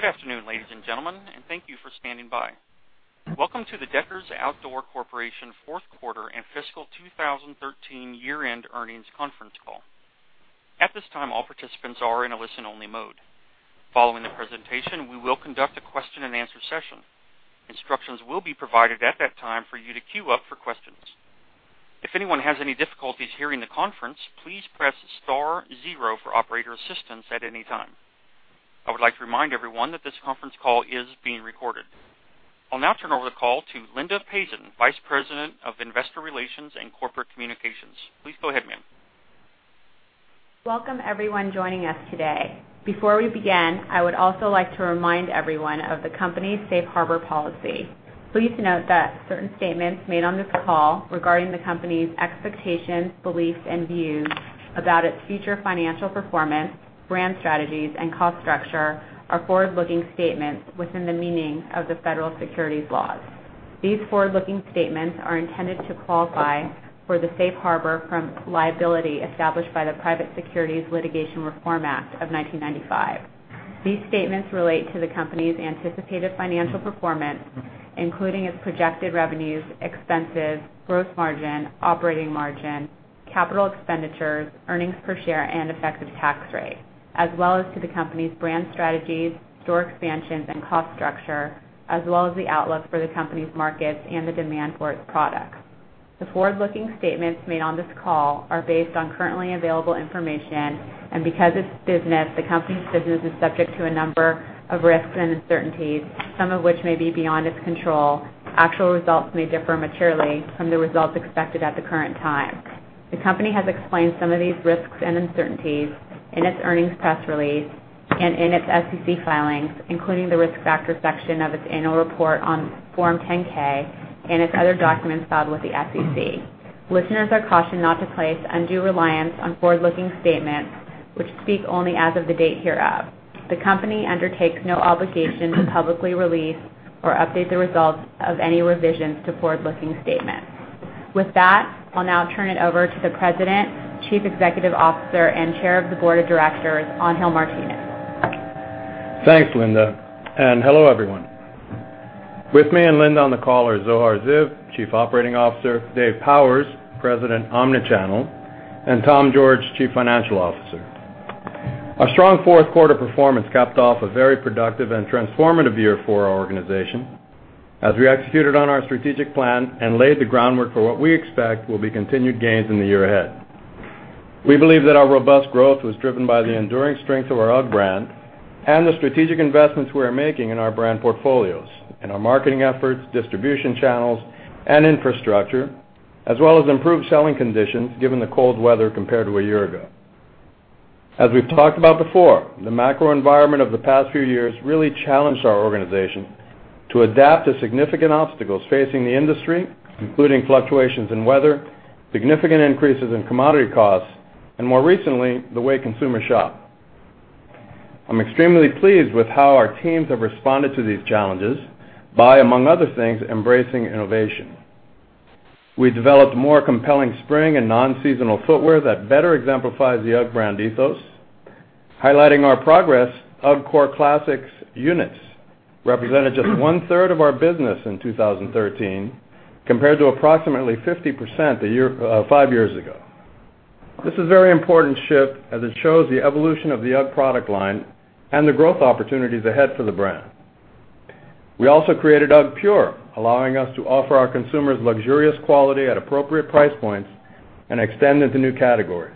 Good afternoon, ladies and gentlemen. Thank you for standing by. Welcome to the Deckers Outdoor Corporation fourth quarter and fiscal 2013 year-end earnings conference call. At this time, all participants are in a listen-only mode. Following the presentation, we will conduct a question-and-answer session. Instructions will be provided at that time for you to queue up for questions. If anyone has any difficulties hearing the conference, please press star zero for operator assistance at any time. I would like to remind everyone that this conference call is being recorded. I'll now turn over the call to Linda Pazin, Vice President of Investor Relations and Corporate Communications. Please go ahead, ma'am. Welcome everyone joining us today. Before we begin, I would also like to remind everyone of the company's safe harbor policy. Please note that certain statements made on this call regarding the company's expectations, beliefs, and views about its future financial performance, brand strategies, and cost structure are forward-looking statements within the meaning of the federal securities laws. These forward-looking statements are intended to qualify for the safe harbor from liability established by the Private Securities Litigation Reform Act of 1995. These statements relate to the company's anticipated financial performance, including its projected revenues, expenses, gross margin, operating margin, capital expenditures, earnings per share, and effective tax rate, as well as to the company's brand strategies, store expansions, and cost structure, as well as the outlook for the company's markets and the demand for its products. The forward-looking statements made on this call are based on currently available information. Because the company's business is subject to a number of risks and uncertainties, some of which may be beyond its control, actual results may differ materially from the results expected at the current time. The company has explained some of these risks and uncertainties in its earnings press release and in its SEC filings, including the risk factor section of its annual report on Form 10-K and its other documents filed with the SEC. Listeners are cautioned not to place undue reliance on forward-looking statements which speak only as of the date hereof. The company undertakes no obligation to publicly release or update the results of any revisions to forward-looking statements. With that, I'll now turn it over to the President, Chief Executive Officer, and Chair of the Board of Directors, Angel Martinez. Thanks, Linda. Hello, everyone. With me and Linda on the call are Zohar Ziv, Chief Operating Officer, Dave Powers, President, Omnichannel, and Tom George, Chief Financial Officer. Our strong fourth quarter performance capped off a very productive and transformative year for our organization as we executed on our strategic plan and laid the groundwork for what we expect will be continued gains in the year ahead. We believe that our robust growth was driven by the enduring strength of our UGG brand and the strategic investments we are making in our brand portfolios, in our marketing efforts, distribution channels, and infrastructure, as well as improved selling conditions, given the cold weather compared to a year ago. As we've talked about before, the macro environment of the past few years really challenged our organization to adapt to significant obstacles facing the industry, including fluctuations in weather, significant increases in commodity costs, and more recently, the way consumers shop. I'm extremely pleased with how our teams have responded to these challenges by, among other things, embracing innovation. We developed more compelling spring and non-seasonal footwear that better exemplifies the UGG brand ethos. Highlighting our progress, UGG core classics units represented just one-third of our business in 2013, compared to approximately 50% five years ago. This is a very important shift as it shows the evolution of the UGG product line and the growth opportunities ahead for the brand. We also created UGGpure, allowing us to offer our consumers luxurious quality at appropriate price points and extend into new categories.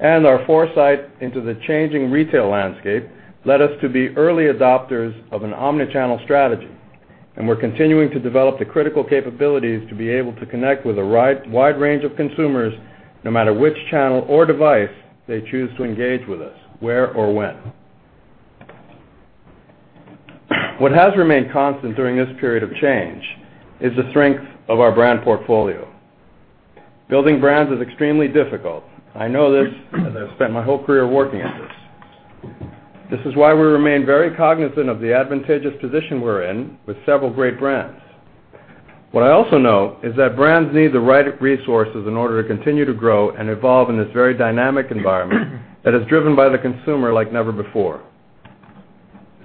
Our foresight into the changing retail landscape led us to be early adopters of an omnichannel strategy, and we're continuing to develop the critical capabilities to be able to connect with a wide range of consumers, no matter which channel or device they choose to engage with us, where or when. What has remained constant during this period of change is the strength of our brand portfolio. Building brands is extremely difficult. I know this as I've spent my whole career working at this. This is why we remain very cognizant of the advantageous position we're in with several great brands. What I also know is that brands need the right resources in order to continue to grow and evolve in this very dynamic environment that is driven by the consumer like never before.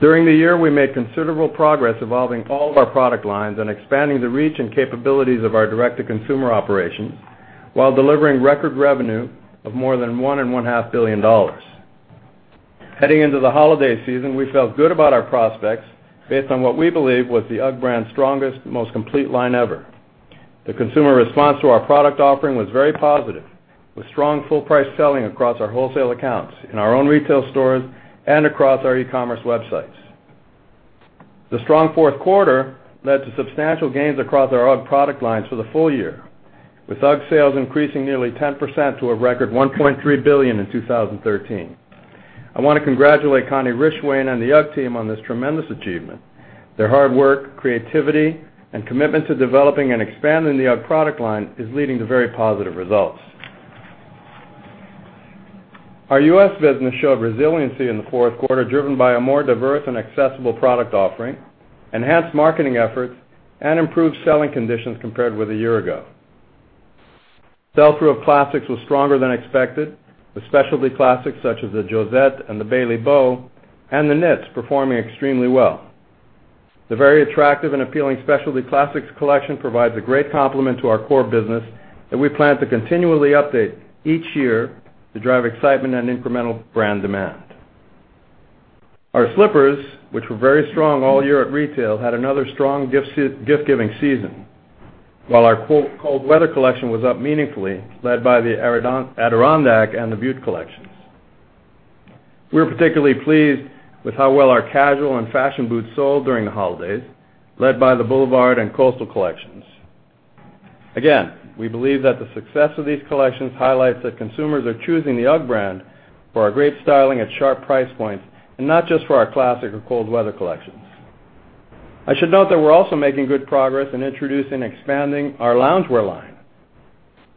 During the year, we made considerable progress evolving all of our product lines and expanding the reach and capabilities of our direct-to-consumer operations while delivering record revenue of more than $1.5 billion. Heading into the holiday season, we felt good about our prospects based on what we believe was the UGG brand's strongest, most complete line ever. The consumer response to our product offering was very positive, with strong full price selling across our wholesale accounts, in our own retail stores, and across our e-commerce websites. The strong fourth quarter led to substantial gains across our UGG product lines for the full year, with UGG sales increasing nearly 10% to a record $1.3 billion in 2013. I want to congratulate Connie Rishwain and the UGG team on this tremendous achievement. Their hard work, creativity, and commitment to developing and expanding the UGG product line is leading to very positive results. Our U.S. business showed resiliency in the fourth quarter, driven by a more diverse and accessible product offering, enhanced marketing efforts, and improved selling conditions compared with a year ago. Sell-through of classics was stronger than expected, with specialty classics such as the Josette and the Bailey Bow and the knits performing extremely well. The very attractive and appealing specialty classics collection provides a great complement to our core business that we plan to continually update each year to drive excitement and incremental brand demand. Our slippers, which were very strong all year at retail, had another strong gift-giving season. While our cold weather collection was up meaningfully, led by the Adirondack and the Butte collections. We were particularly pleased with how well our casual and fashion boots sold during the holidays, led by the Boulevard and Coastal collections. We believe that the success of these collections highlights that consumers are choosing the UGG brand for our great styling at sharp price points, not just for our classic or cold weather collections. I should note that we're also making good progress in introducing and expanding our loungewear line,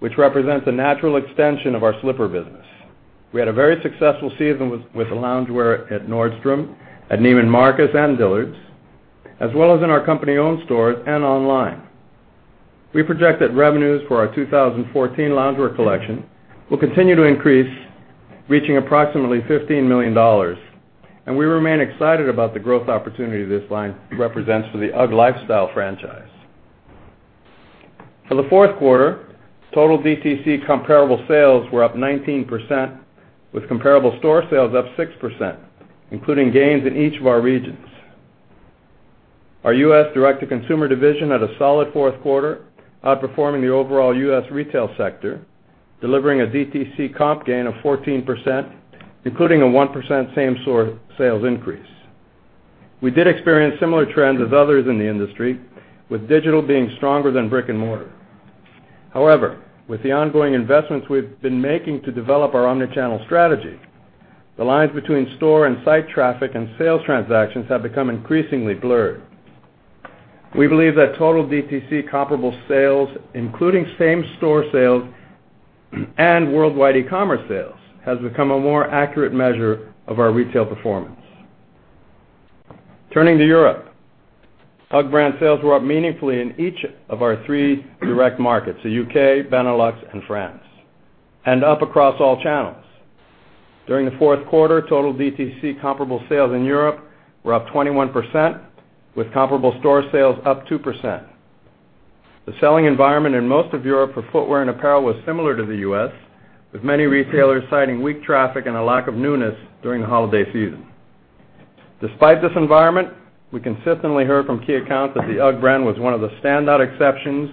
which represents a natural extension of our slipper business. We had a very successful season with the loungewear at Nordstrom, at Neiman Marcus, and Dillard's, as well as in our company-owned stores and online. We project that revenues for our 2014 loungewear collection will continue to increase, reaching approximately $15 million, and we remain excited about the growth opportunity this line represents for the UGG lifestyle franchise. For the fourth quarter, total DTC comparable sales were up 19%, with comparable store sales up 6%, including gains in each of our regions. Our U.S. direct-to-consumer division had a solid fourth quarter, outperforming the overall U.S. retail sector, delivering a DTC comp gain of 14%, including a 1% same-store sales increase. We did experience similar trends as others in the industry, with digital being stronger than brick and mortar. However, with the ongoing investments we've been making to develop our omni-channel strategy, the lines between store and site traffic and sales transactions have become increasingly blurred. We believe that total DTC comparable sales, including same-store sales and worldwide e-commerce sales, has become a more accurate measure of our retail performance. Turning to Europe, UGG brand sales were up meaningfully in each of our three direct markets, the U.K., Benelux, and France, and up across all channels. During the fourth quarter, total DTC comparable sales in Europe were up 21%, with comparable store sales up 2%. The selling environment in most of Europe for footwear and apparel was similar to the U.S., with many retailers citing weak traffic and a lack of newness during the holiday season. Despite this environment, we consistently heard from key accounts that the UGG brand was one of the standout exceptions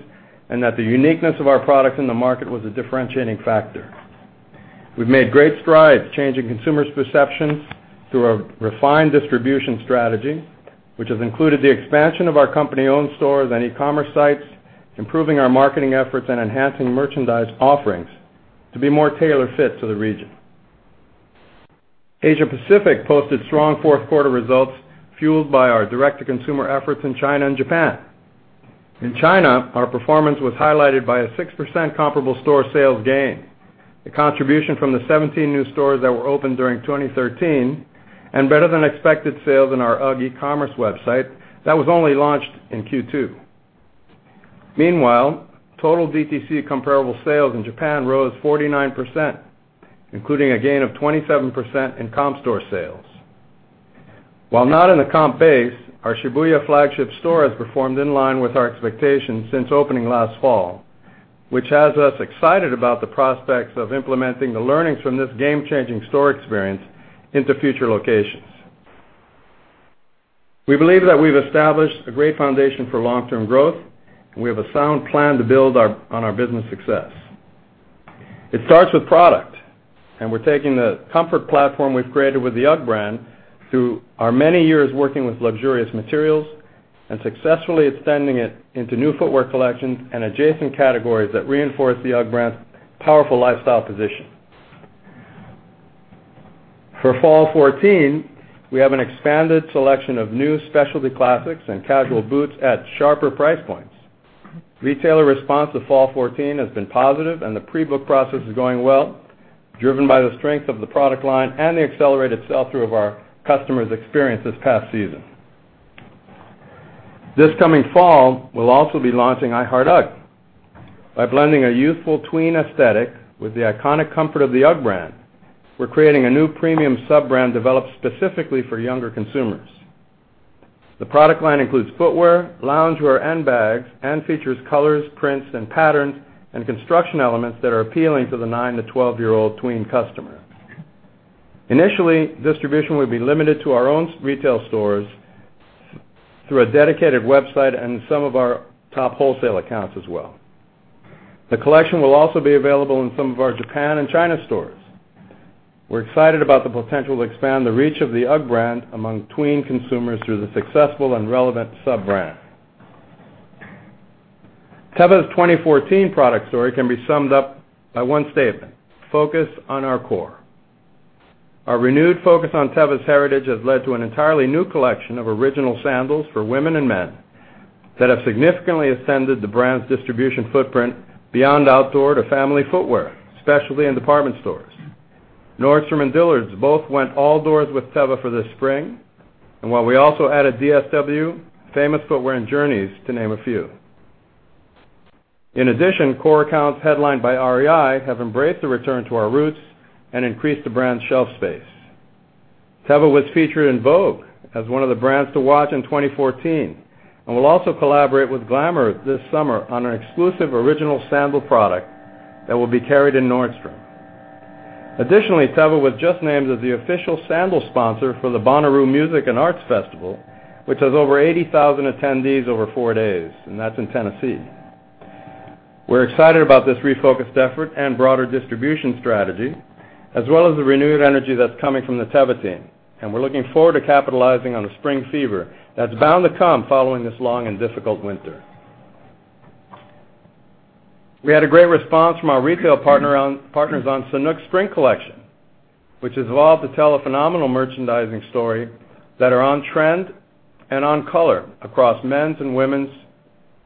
and that the uniqueness of our product in the market was a differentiating factor. We've made great strides changing consumers' perceptions through a refined distribution strategy, which has included the expansion of our company-owned stores and e-commerce sites, improving our marketing efforts, and enhancing merchandise offerings to be more tailor-fit to the region. Asia-Pacific posted strong fourth-quarter results fueled by our direct-to-consumer efforts in China and Japan. In China, our performance was highlighted by a 6% comparable store sales gain, the contribution from the 17 new stores that were opened during 2013, and better-than-expected sales in our UGG e-commerce website that was only launched in Q2. Total DTC comparable sales in Japan rose 49%, including a gain of 27% in comp store sales. While not in the comp base, our Shibuya flagship store has performed in line with our expectations since opening last fall, which has us excited about the prospects of implementing the learnings from this game-changing store experience into future locations. We believe that we've established a great foundation for long-term growth, and we have a sound plan to build on our business success. It starts with product. We're taking the comfort platform we've created with the UGG brand through our many years working with luxurious materials and successfully extending it into new footwear collections and adjacent categories that reinforce the UGG brand's powerful lifestyle position. For fall 2014, we have an expanded selection of new specialty classics and casual boots at sharper price points. Retailer response to fall 2014 has been positive. The pre-book process is going well, driven by the strength of the product line and the accelerated sell-through of our customers' experience this past season. This coming fall, we'll also be launching I Heart UGG. By blending a youthful tween aesthetic with the iconic comfort of the UGG brand, we're creating a new premium sub-brand developed specifically for younger consumers. The product line includes footwear, loungewear, and bags. It features colors, prints, patterns, and construction elements that are appealing to the nine to 12-year-old tween customer. Initially, distribution will be limited to our own retail stores through a dedicated website and some of our top wholesale accounts as well. The collection will also be available in some of our Japan and China stores. We're excited about the potential to expand the reach of the UGG brand among tween consumers through the successful and relevant sub-brand. Teva's 2014 product story can be summed up by one statement: focus on our core. Our renewed focus on Teva's heritage has led to an entirely new collection of original sandals for women and men that have significantly extended the brand's distribution footprint beyond outdoor to family footwear, especially in department stores. Nordstrom and Dillard's both went all doors with Teva for this spring. We also added DSW, Famous Footwear, and Journeys to name a few. In addition, core accounts headlined by REI have embraced the return to our roots and increased the brand's shelf space. Teva was featured in Vogue as one of the brands to watch in 2014 and will also collaborate with Glamour this summer on an exclusive original sandal product that will be carried in Nordstrom. Additionally, Teva was just named as the official sandal sponsor for the Bonnaroo Music and Arts Festival, which has over 80,000 attendees over four days. That's in Tennessee. We're excited about this refocused effort and broader distribution strategy, as well as the renewed energy that's coming from the Teva team. We're looking forward to capitalizing on the spring fever that's bound to come following this long and difficult winter. We had a great response from our retail partners on Sanuk's spring collection, which has evolved to tell a phenomenal merchandising story that are on trend and on color across men's and women's,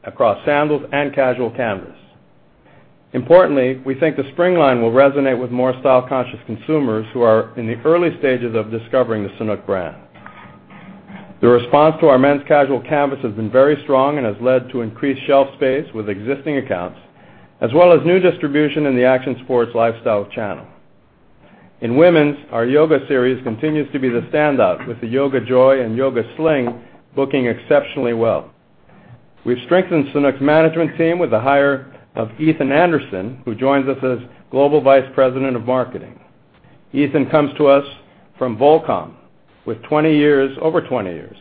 across sandals and casual canvas. Importantly, we think the spring line will resonate with more style-conscious consumers who are in the early stages of discovering the Sanuk brand. The response to our men's casual canvas has been very strong and has led to increased shelf space with existing accounts, as well as new distribution in the action sports lifestyle channel. In women's, our yoga series continues to be the standout, with the Yoga Joy and Yoga Sling booking exceptionally well. We've strengthened Sanuk's management team with the hire of Ethan Anderson, who joins us as Global Vice President of Marketing. Ethan comes to us from Volcom with over 20 years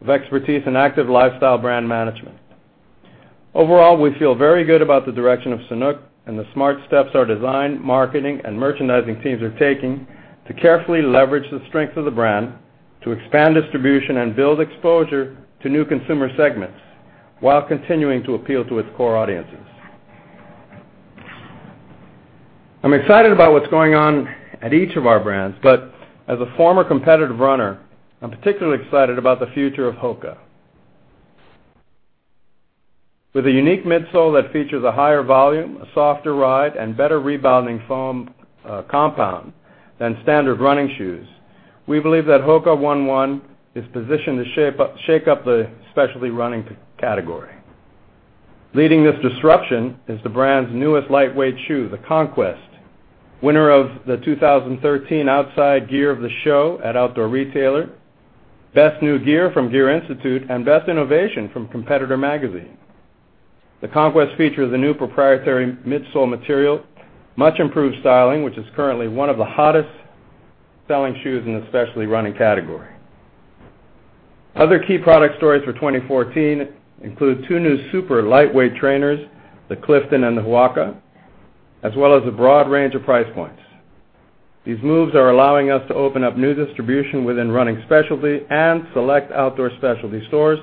of expertise in active lifestyle brand management. Overall, we feel very good about the direction of Sanuk and the smart steps our design, marketing, and merchandising teams are taking to carefully leverage the strength of the brand to expand distribution and build exposure to new consumer segments while continuing to appeal to its core audiences. I'm excited about what's going on at each of our brands, but as a former competitive runner, I'm particularly excited about the future of Hoka. With a unique midsole that features a higher volume, a softer ride, and better rebounding foam compound than standard running shoes, we believe that Hoka One One is positioned to shake up the specialty running category. Leading this disruption is the brand's newest lightweight shoe, the Conquest, winner of the 2013 Outside Gear of the Show at Outdoor Retailer, Best New Gear from Gear Institute, and Best Innovation from Competitor Magazine. The Conquest features a new proprietary midsole material, much-improved styling, which is currently one of the hottest-selling shoes in the specialty running category. Other key product stories for 2014 include two new super lightweight trainers, the Clifton and the Huaka, as well as a broad range of price points. These moves are allowing us to open up new distribution within running specialty and select outdoor specialty stores,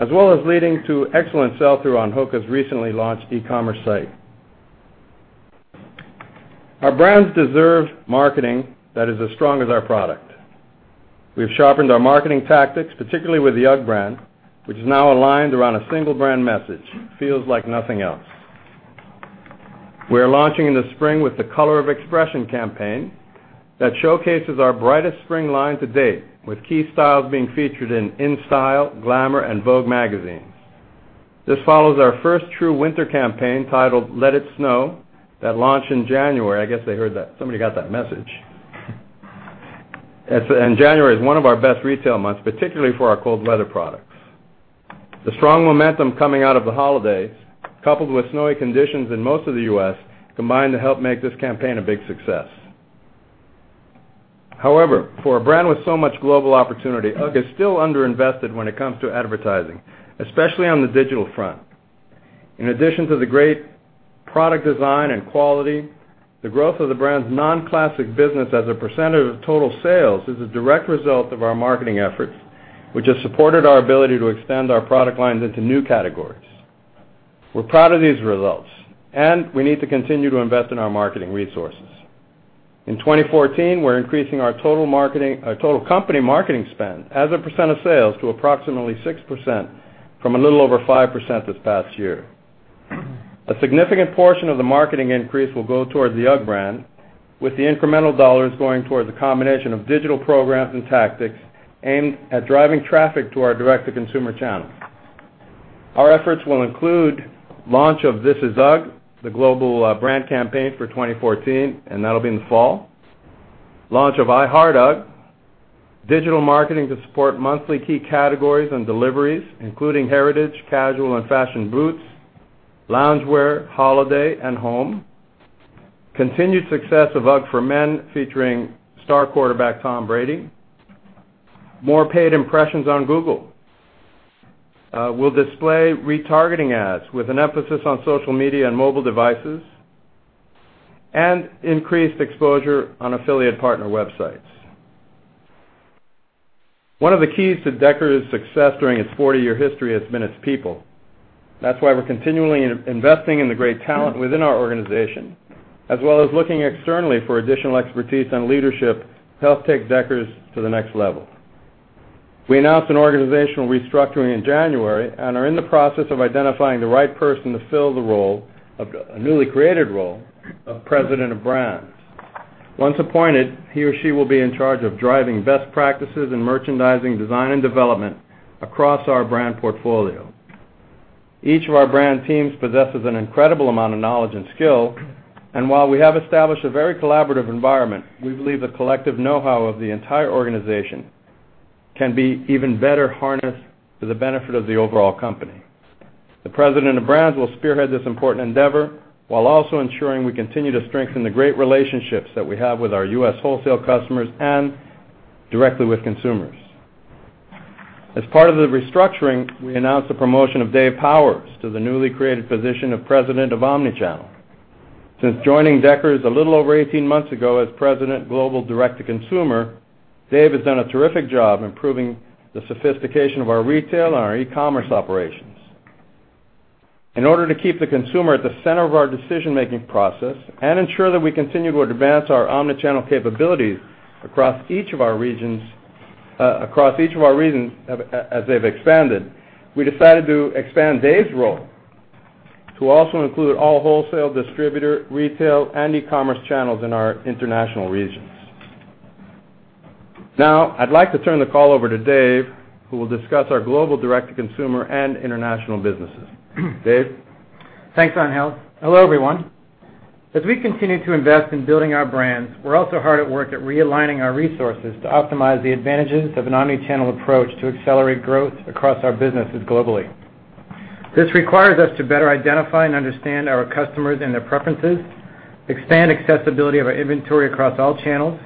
as well as leading to excellent sell-through on Hoka's recently launched e-commerce site. Our brands deserve marketing that is as strong as our product. We've sharpened our marketing tactics, particularly with the UGG brand, which is now aligned around a single brand message, "Feels Like Nothing Else." We're launching in the spring with the Color of Expression campaign that showcases our brightest spring line to date, with key styles being featured in InStyle, Glamour, and Vogue magazines. This follows our first true winter campaign titled Let It Snow that launched in January. I guess they heard that. Somebody got that message. January is one of our best retail months, particularly for our cold weather products. The strong momentum coming out of the holidays, coupled with snowy conditions in most of the U.S., combined to help make this campaign a big success. However, for a brand with so much global opportunity, UGG is still underinvested when it comes to advertising, especially on the digital front. In addition to the great product design and quality, the growth of the brand's non-classic business as a percentage of total sales is a direct result of our marketing efforts, which has supported our ability to extend our product lines into new categories. We're proud of these results. We need to continue to invest in our marketing resources. In 2014, we're increasing our total company marketing spend as a % of sales to approximately 6% from a little over 5% this past year. A significant portion of the marketing increase will go towards the UGG brand, with the incremental dollars going towards a combination of digital programs and tactics aimed at driving traffic to our direct-to-consumer channels. Our efforts will include launch of This Is UGG, the global brand campaign for 2014, and that'll be in the fall. Launch of I Heart UGG. Digital marketing to support monthly key categories and deliveries, including heritage, casual, and fashion boots, loungewear, holiday, and home. Continued success of UGG for Men, featuring star quarterback Tom Brady. More paid impressions on Google. We'll display retargeting ads with an emphasis on social media and mobile devices, and increased exposure on affiliate partner websites. One of the keys to Deckers' success during its 40-year history has been its people. That's why we're continually investing in the great talent within our organization, as well as looking externally for additional expertise and leadership to help take Deckers to the next level. We announced an organizational restructuring in January and are in the process of identifying the right person to fill the newly created role of President of Brands. Once appointed, he or she will be in charge of driving best practices in merchandising, design, and development across our brand portfolio. Each of our brand teams possesses an incredible amount of knowledge and skill, and while we have established a very collaborative environment, we believe the collective knowhow of the entire organization can be even better harnessed for the benefit of the overall company. The president of brands will spearhead this important endeavor while also ensuring we continue to strengthen the great relationships that we have with our U.S. wholesale customers and directly with consumers. As part of the restructuring, we announced the promotion of Dave Powers to the newly created position of President of Omnichannel. Since joining Deckers a little over 18 months ago as President Global Direct to Consumer, Dave has done a terrific job improving the sophistication of our retail and our e-commerce operations. In order to keep the consumer at the center of our decision-making process and ensure that we continue to advance our omnichannel capabilities across each of our regions as they've expanded, we decided to expand Dave's role to also include all wholesale distributor, retail, and e-commerce channels in our international regions. Now, I'd like to turn the call over to Dave, who will discuss our global direct-to-consumer and international businesses. Dave? Thanks, Angel. Hello, everyone. As we continue to invest in building our brands, we're also hard at work at realigning our resources to optimize the advantages of an omnichannel approach to accelerate growth across our businesses globally. This requires us to better identify and understand our customers and their preferences, expand accessibility of our inventory across all channels,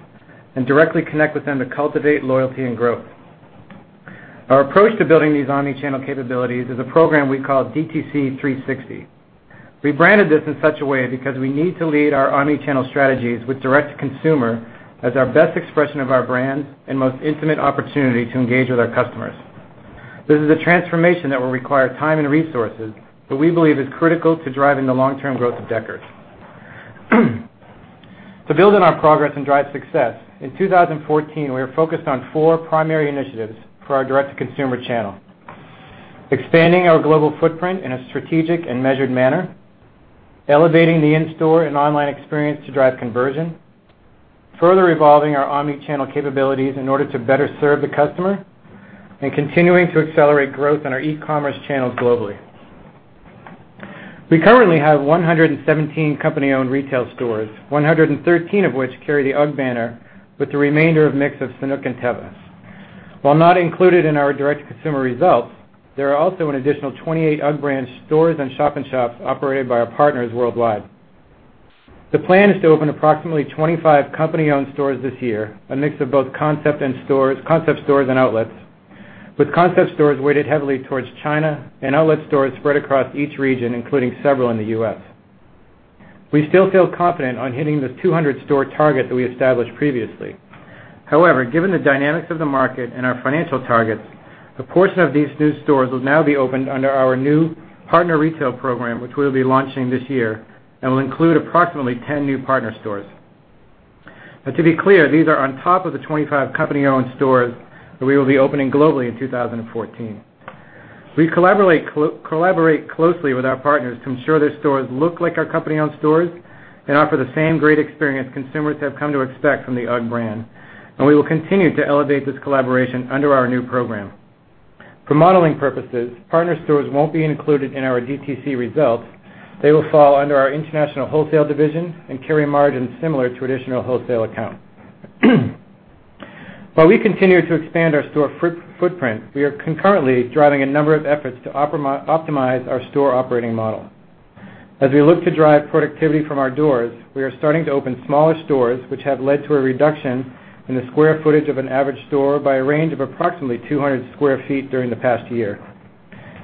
and directly connect with them to cultivate loyalty and growth. Our approach to building these omnichannel capabilities is a program we call DTC 360. We branded this in such a way because we need to lead our omnichannel strategies with direct-to-consumer as our best expression of our brand and most intimate opportunity to engage with our customers. This is a transformation that will require time and resources that we believe is critical to driving the long-term growth of Deckers. To build on our progress and drive success, in 2014, we are focused on four primary initiatives for our direct-to-consumer channel. Expanding our global footprint in a strategic and measured manner, elevating the in-store and online experience to drive conversion, further evolving our omnichannel capabilities in order to better serve the customer, and continuing to accelerate growth in our e-commerce channels globally. We currently have 117 company-owned retail stores, 113 of which carry the UGG banner, with the remainder a mix of Sanuk and Teva. While not included in our direct-to-consumer results, there are also an additional 28 UGG brand stores and shop-in-shops operated by our partners worldwide. The plan is to open approximately 25 company-owned stores this year, a mix of both concept stores and outlets, with concept stores weighted heavily towards China and outlet stores spread across each region, including several in the U.S. We still feel confident on hitting the 200-store target that we established previously. However, given the dynamics of the market and our financial targets, a portion of these new stores will now be opened under our new partner retail program, which we will be launching this year and will include approximately 10 new partner stores. To be clear, these are on top of the 25 company-owned stores that we will be opening globally in 2014. We collaborate closely with our partners to ensure their stores look like our company-owned stores and offer the same great experience consumers have come to expect from the UGG brand, and we will continue to elevate this collaboration under our new program. For modeling purposes, partner stores won't be included in our DTC results. They will fall under our international wholesale division and carry margins similar to traditional wholesale accounts. While we continue to expand our store footprint, we are concurrently driving a number of efforts to optimize our store operating model. As we look to drive productivity from our doors, we are starting to open smaller stores, which have led to a reduction in the square footage of an average store by a range of approximately 200 sq ft during the past year.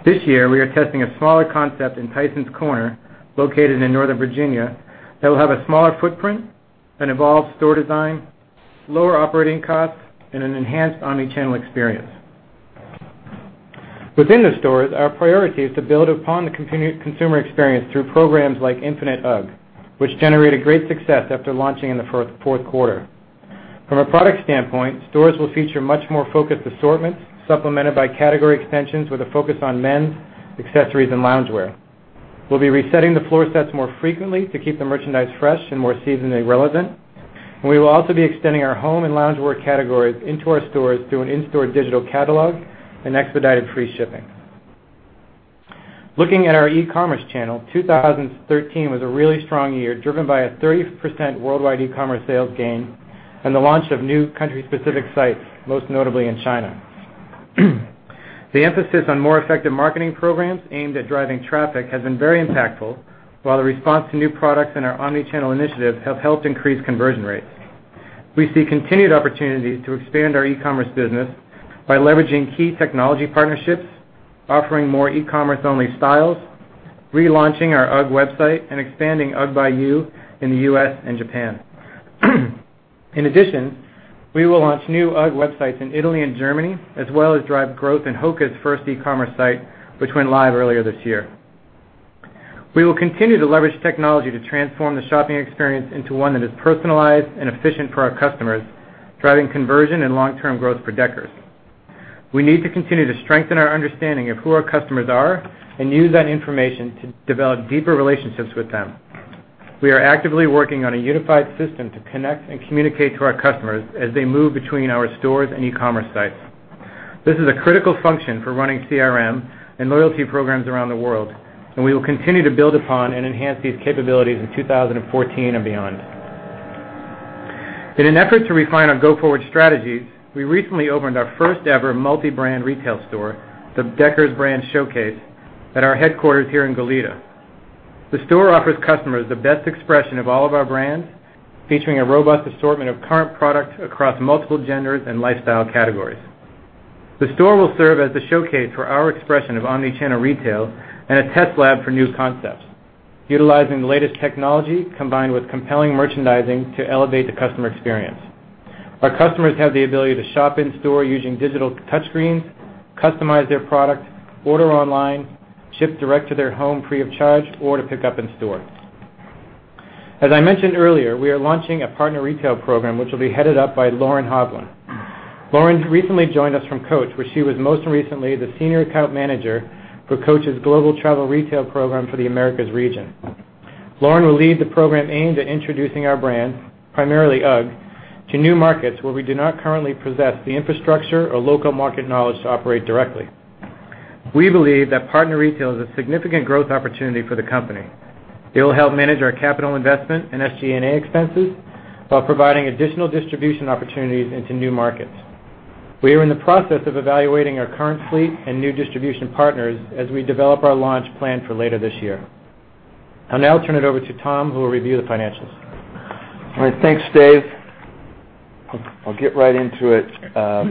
This year, we are testing a smaller concept in Tysons Corner, located in Northern Virginia, that will have a smaller footprint, an evolved store design, lower operating costs, and an enhanced omnichannel experience. Within the stores, our priority is to build upon the consumer experience through programs like Infinite UGG, which generated great success after launching in the fourth quarter. From a product standpoint, stores will feature much more focused assortments, supplemented by category extensions with a focus on men's accessories and loungewear. We will be resetting the floor sets more frequently to keep the merchandise fresh and more seasonally relevant. We will also be extending our home and loungewear categories into our stores through an in-store digital catalog and expedited free shipping. Looking at our e-commerce channel, 2013 was a really strong year, driven by a 30% worldwide e-commerce sales gain and the launch of new country-specific sites, most notably in China. The emphasis on more effective marketing programs aimed at driving traffic has been very impactful, while the response to new products and our omnichannel initiatives have helped increase conversion rates. We see continued opportunities to expand our e-commerce business by leveraging key technology partnerships, offering more e-commerce-only styles, relaunching our UGG website, and expanding UGG by You in the U.S. and Japan. In addition, we will launch new UGG websites in Italy and Germany, as well as drive growth in Hoka's first e-commerce site, which went live earlier this year. We will continue to leverage technology to transform the shopping experience into one that is personalized and efficient for our customers, driving conversion and long-term growth for Deckers. We need to continue to strengthen our understanding of who our customers are and use that information to develop deeper relationships with them. We are actively working on a unified system to connect and communicate to our customers as they move between our stores and e-commerce sites. This is a critical function for running CRM and loyalty programs around the world, and we will continue to build upon and enhance these capabilities in 2014 and beyond. In an effort to refine our go-forward strategies, we recently opened our first-ever multi-brand retail store, the Deckers Brand Showcase, at our headquarters here in Goleta. The store offers customers the best expression of all of our brands, featuring a robust assortment of current products across multiple genders and lifestyle categories. The store will serve as the showcase for our expression of omnichannel retail and a test lab for new concepts, utilizing the latest technology combined with compelling merchandising to elevate the customer experience. Our customers have the ability to shop in-store using digital touchscreens, customize their product, order online, ship direct to their home free of charge, or to pick up in-store. As I mentioned earlier, we are launching a partner retail program which will be headed up by Lauren Hovland. Lauren recently joined us from Coach, where she was most recently the senior account manager for Coach's global travel retail program for the Americas region. Lauren will lead the program aimed at introducing our brands, primarily UGG, to new markets where we do not currently possess the infrastructure or local market knowledge to operate directly. We believe that partner retail is a significant growth opportunity for the company. It will help manage our capital investment and SG&A expenses while providing additional distribution opportunities into new markets. We are in the process of evaluating our current fleet and new distribution partners as we develop our launch plan for later this year. I'll now turn it over to Tom, who will review the financials. All right. Thanks, Dave. I'll get right into it.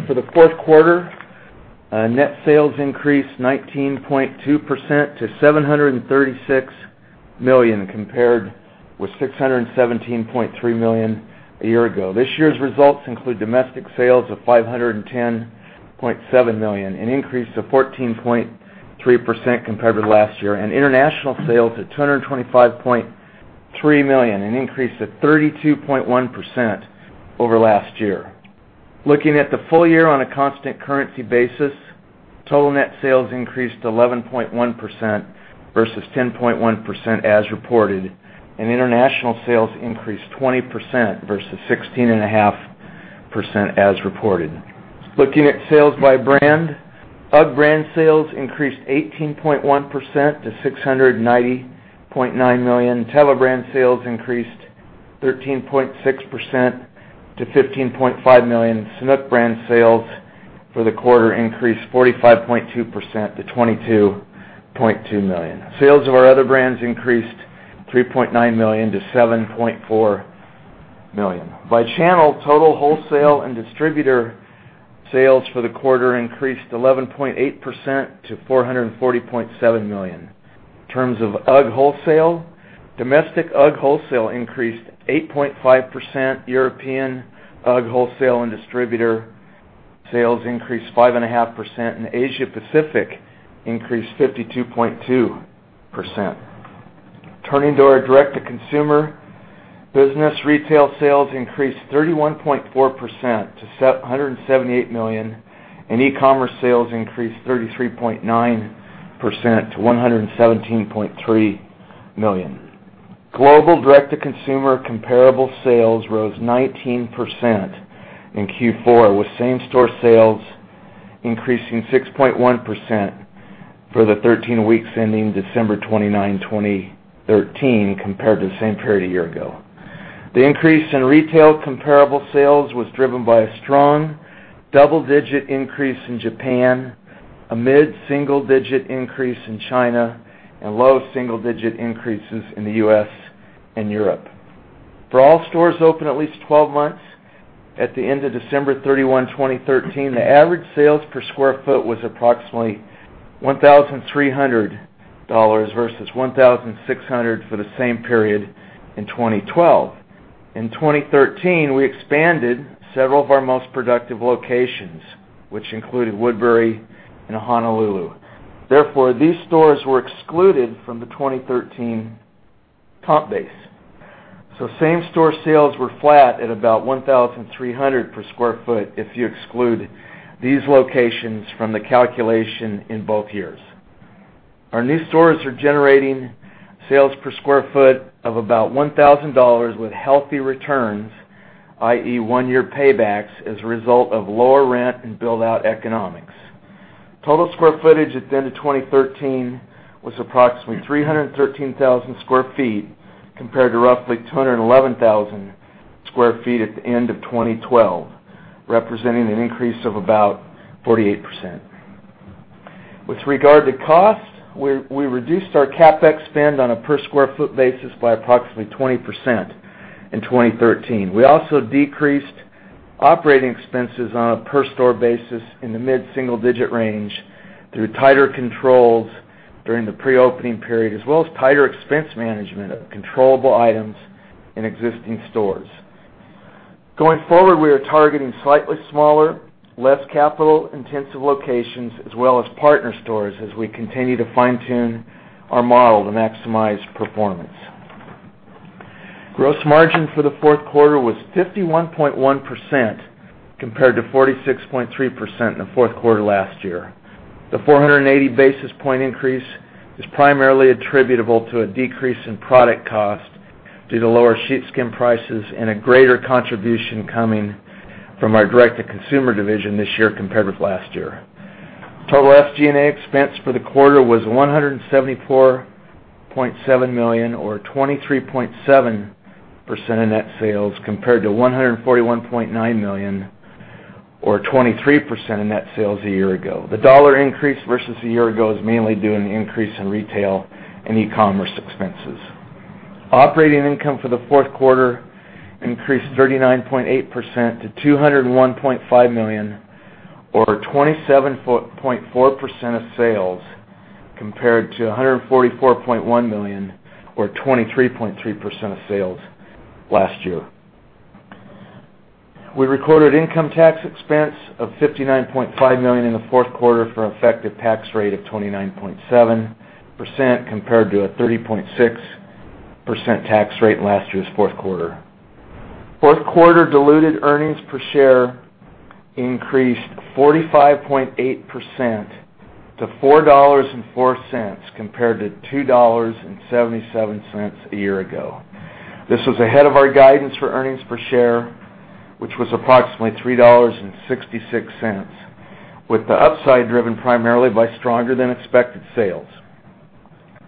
For the fourth quarter, net sales increased 19.2% to $736 million, compared with $617.3 million a year ago. This year's results include domestic sales of $510.7 million, an increase of 14.3% compared to last year, and international sales at $225.3 million, an increase of 32.1% over last year. Looking at the full year on a constant currency basis, total net sales increased 11.1% versus 10.1% as reported, and international sales increased 20% versus 16.5% as reported. Looking at sales by brand, UGG brand sales increased 18.1% to $690.9 million. Teva brand sales increased 13.6% to $15.5 million. Sanuk brand sales for the quarter increased 45.2% to $22.2 million. Sales of our other brands increased $3.9 million to $7.4 million. By channel, total wholesale and distributor sales for the quarter increased 11.8% to $440.7 million. In terms of UGG wholesale, domestic UGG wholesale increased 8.5%. European UGG wholesale and distributor sales increased 5.5%, and Asia-Pacific increased 52.2%. Turning to our direct-to-consumer business, retail sales increased 31.4% to $178 million, and e-commerce sales increased 33.9% to $117.3 million. Global direct-to-consumer comparable sales rose 19% in Q4, with same-store sales increasing 6.1% for the 13 weeks ending December 29, 2013, compared to the same period a year ago. The increase in retail comparable sales was driven by a strong double-digit increase in Japan, a mid-single-digit increase in China, and low single-digit increases in the U.S. and Europe. For all stores open at least 12 months at the end of December 31, 2013, the average sales per square foot was approximately $1,300 versus $1,600 for the same period in 2012. In 2013, we expanded several of our most productive locations, which included Woodbury and Honolulu. These stores were excluded from the 2013 comp base. Same store sales were flat at about $1,300 per square foot if you exclude these locations from the calculation in both years. Our new stores are generating sales per square foot of about $1,000 with healthy returns, i.e., one-year paybacks as a result of lower rent and build-out economics. Total square footage at the end of 2013 was approximately 313,000 square feet, compared to roughly 211,000 square feet at the end of 2012, representing an increase of about 48%. With regard to cost, we reduced our CapEx spend on a per-square-foot basis by approximately 20% in 2013. We also decreased operating expenses on a per-store basis in the mid-single-digit range through tighter controls during the pre-opening period, as well as tighter expense management of controllable items in existing stores. Going forward, we are targeting slightly smaller, less capital-intensive locations as well as partner stores as we continue to fine-tune our model to maximize performance. Gross margin for the fourth quarter was 51.1% compared to 46.3% in the fourth quarter last year. The 480 basis point increase is primarily attributable to a decrease in product cost due to lower sheepskin prices and a greater contribution coming from our direct-to-consumer division this year compared with last year. Total SG&A expense for the quarter was $174.7 million, or 23.7% of net sales, compared to $141.9 million, or 23% of net sales a year ago. The dollar increase versus a year ago is mainly due an increase in retail and e-commerce expenses. Operating income for the fourth quarter increased 39.8% to $201.5 million, or 27.4% of sales, compared to $144.1 million, or 23.3% of sales last year. We recorded income tax expense of $59.5 million in the fourth quarter for an effective tax rate of 29.7% compared to a 30.6% tax rate in last year's fourth quarter. Fourth quarter diluted earnings per share increased 45.8% to $4.04 compared to $2.77 a year ago. This was ahead of our guidance for earnings per share, which was approximately $3.66, with the upside driven primarily by stronger-than-expected sales.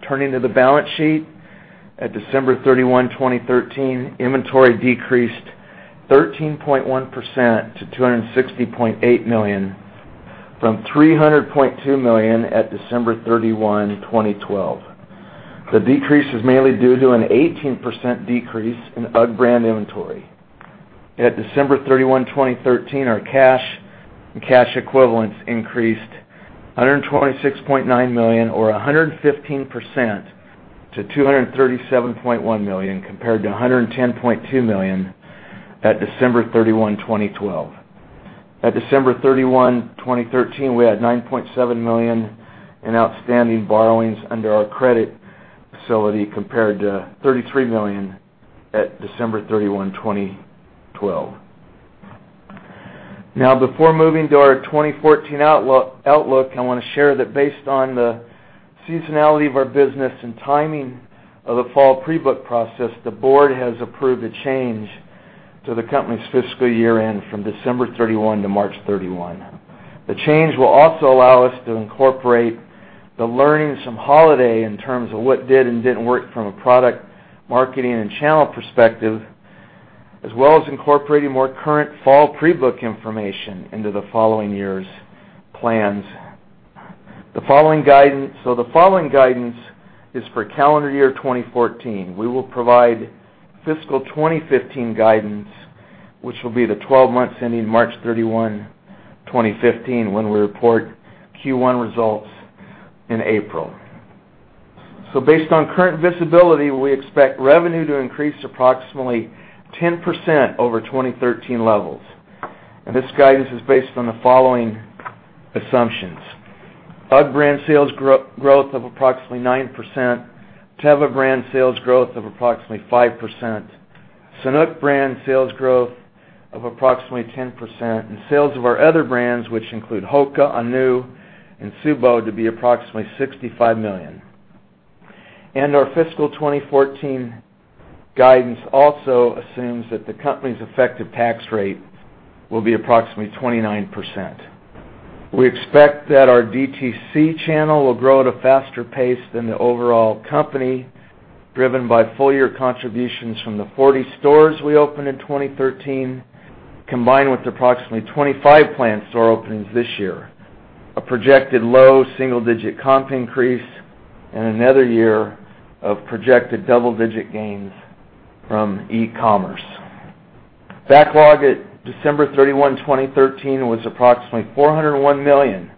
Turning to the balance sheet, at December 31, 2013, inventory decreased 13.1% to $260.8 million from $300.2 million at December 31, 2012. The decrease is mainly due to an 18% decrease in UGG brand inventory. At December 31, 2013, our cash and cash equivalents increased $126.9 million, or 115%, to $237.1 million, compared to $110.2 million at December 31, 2012. At December 31, 2013, we had $9.7 million in outstanding borrowings under our credit facility compared to $33 million at December 31, 2012. Before moving to our 2014 outlook, I want to share that based on the seasonality of our business and timing of the fall pre-book process, the board has approved a change to the company's fiscal year-end from December 31 to March 31. The change will also allow us to incorporate the learnings from holiday in terms of what did and didn't work from a product, marketing, and channel perspective, as well as incorporating more current fall pre-book information into the following year's plans. The following guidance is for calendar year 2014. We will provide fiscal 2015 guidance, which will be the 12 months ending March 31, 2015, when we report Q1 results in April. Based on current visibility, we expect revenue to increase approximately 10% over 2013 levels. This guidance is based on the following assumptions. UGG brand sales growth of approximately 9%, Teva brand sales growth of approximately 5%, Sanuk brand sales growth of approximately 10%, and sales of our other brands, which include Hoka, Ahnu, and Tsubo to be approximately $65 million. Our fiscal 2014 guidance also assumes that the company's effective tax rate will be approximately 29%. We expect that our DTC channel will grow at a faster pace than the overall company, driven by full-year contributions from the 40 stores we opened in 2013, combined with approximately 25 planned store openings this year, a projected low single-digit comp increase, and another year of projected double-digit gains from e-commerce. Backlog at December 31, 2013, was approximately $401 million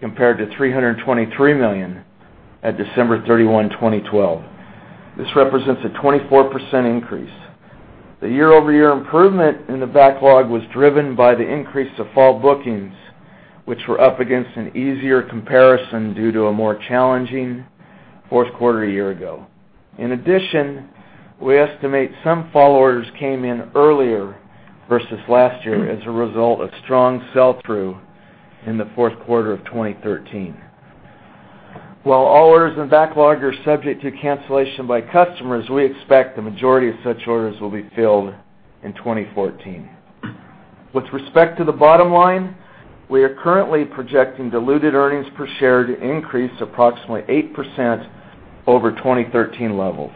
compared to $323 million at December 31, 2012. This represents a 24% increase. The year-over-year improvement in the backlog was driven by the increase to fall bookings, which were up against an easier comparison due to a more challenging fourth quarter a year ago. In addition, we estimate some fall orders came in earlier versus last year as a result of strong sell-through in the fourth quarter of 2013. While all orders in backlog are subject to cancellation by customers, we expect the majority of such orders will be filled in 2014. With respect to the bottom line, we are currently projecting diluted earnings per share to increase approximately 8% over 2013 levels.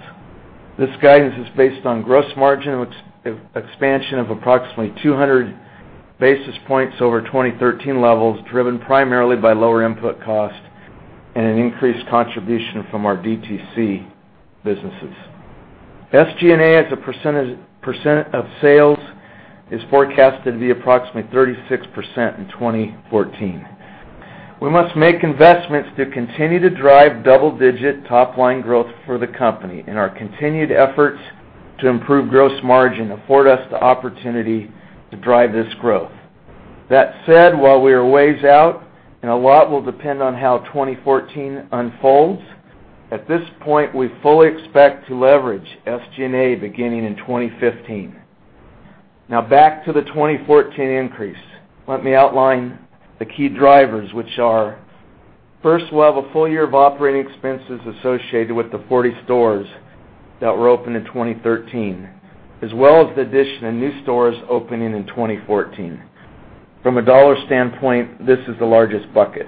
This guidance is based on gross margin expansion of approximately 200 basis points over 2013 levels, driven primarily by lower input cost and an increased contribution from our DTC businesses. SG&A as a % of sales is forecasted to be approximately 36% in 2014. We must make investments to continue to drive double-digit top-line growth for the company in our continued efforts to improve gross margin, afford us the opportunity to drive this growth. That said, while we are ways out and a lot will depend on how 2014 unfolds, at this point, we fully expect to leverage SG&A beginning in 2015. Back to the 2014 increase. Let me outline the key drivers, which are, first, we'll have a full year of operating expenses associated with the 40 stores that were opened in 2013, as well as the addition of new stores opening in 2014. From a dollar standpoint, this is the largest bucket.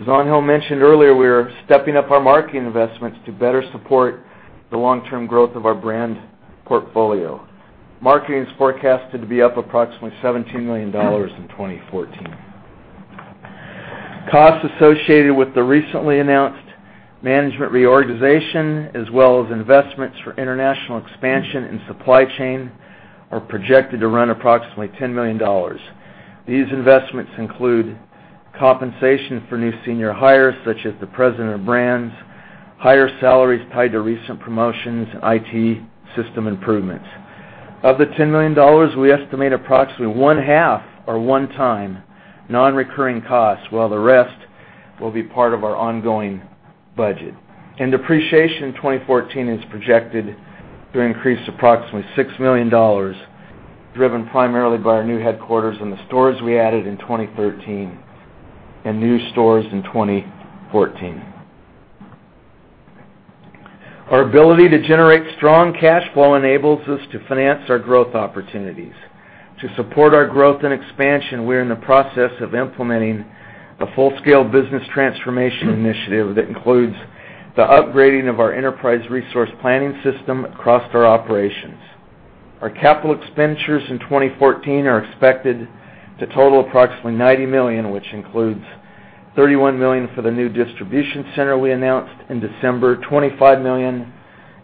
As Angel mentioned earlier, we are stepping up our marketing investments to better support the long-term growth of our brand portfolio. Marketing is forecasted to be up approximately $17 million in 2014. Costs associated with the recently announced management reorganization, as well as investments for international expansion and supply chain, are projected to run approximately $10 million. These investments include compensation for new senior hires, such as the President of Brands, higher salaries tied to recent promotions, IT system improvements. Of the $10 million, we estimate approximately one half are one-time non-recurring costs, while the rest will be part of our ongoing budget. Depreciation in 2014 is projected to increase approximately $6 million, driven primarily by our new headquarters and the stores we added in 2013, and new stores in 2014. Our ability to generate strong cash flow enables us to finance our growth opportunities. To support our growth and expansion, we're in the process of implementing a full-scale business transformation initiative that includes the upgrading of our ERP system across our operations. Our CapEx in 2014 are expected to total approximately $90 million, which includes $31 million for the new distribution center we announced in December, $25 million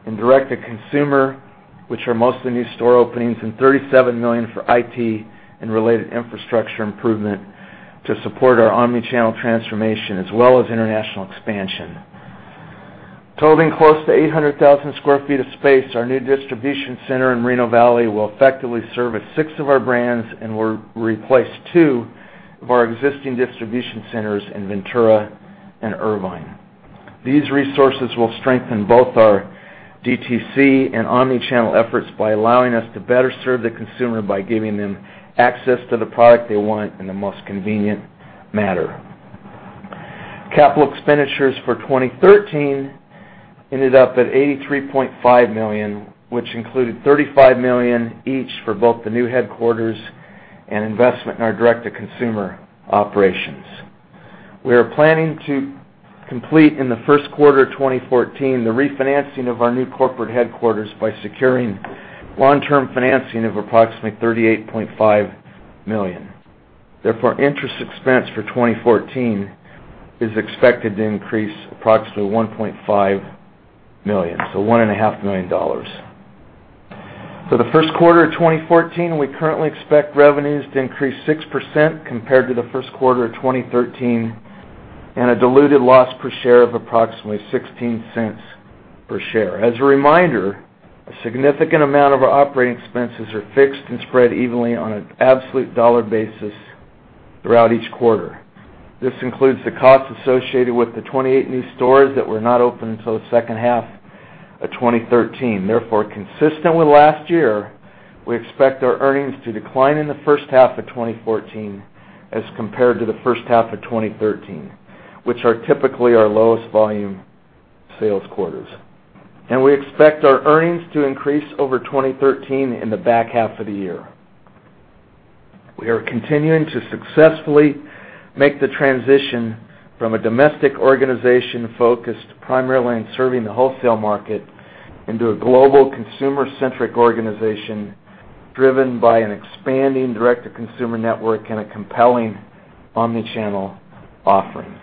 in DTC, which are mostly new store openings, and $37 million for IT and related infrastructure improvement to support our omnichannel transformation, as well as international expansion. Totaling close to 800,000 square feet of space, our new distribution center in Moreno Valley will effectively service six of our brands, and will replace two of our existing distribution centers in Ventura and Irvine. These resources will strengthen both our DTC and omnichannel efforts by allowing us to better serve the consumer by giving them access to the product they want in the most convenient manner. CapEx for 2013 ended up at $83.5 million, which included $35 million each for both the new headquarters and investment in our DTC operations. We are planning to complete in the first quarter 2014, the refinancing of our new corporate headquarters by securing long-term financing of approximately $38.5 million. Interest expense for 2014 is expected to increase approximately $1.5 million, so one and a half million dollars. For the first quarter of 2014, we currently expect revenues to increase 6% compared to the first quarter of 2013, and a diluted loss per share of approximately $0.16 per share. As a reminder, a significant amount of our operating expenses are fixed and spread evenly on an absolute dollar basis throughout each quarter. This includes the costs associated with the 28 new stores that were not open until the second half of 2013. Consistent with last year, we expect our earnings to decline in the first half of 2014 as compared to the first half of 2013, which are typically our lowest volume sales quarters. We expect our earnings to increase over 2013 in the back half of the year. We are continuing to successfully make the transition from a domestic organization focused primarily on serving the wholesale market into a global consumer-centric organization driven by an expanding DTC network and a compelling omnichannel offering.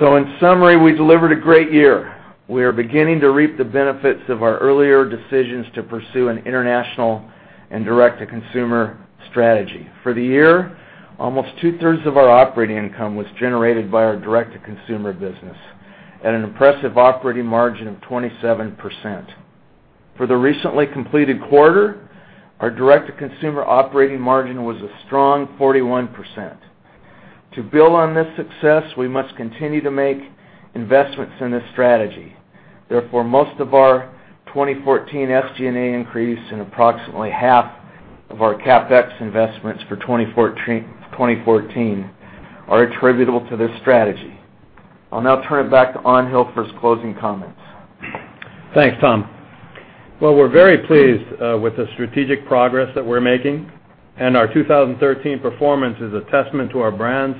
In summary, we delivered a great year. We are beginning to reap the benefits of our earlier decisions to pursue an international and DTC strategy. For the year, almost two-thirds of our operating income was generated by our DTC business at an impressive operating margin of 27%. For the recently completed quarter, our DTC operating margin was a strong 41%. To build on this success, we must continue to make investments in this strategy. Therefore, most of our 2014 SG&A increase and approximately half of our CapEx investments for 2014 are attributable to this strategy. I'll now turn it back to Angel for his closing comments. Thanks, Tom. Well, we're very pleased with the strategic progress that we're making, our 2013 performance is a testament to our brands.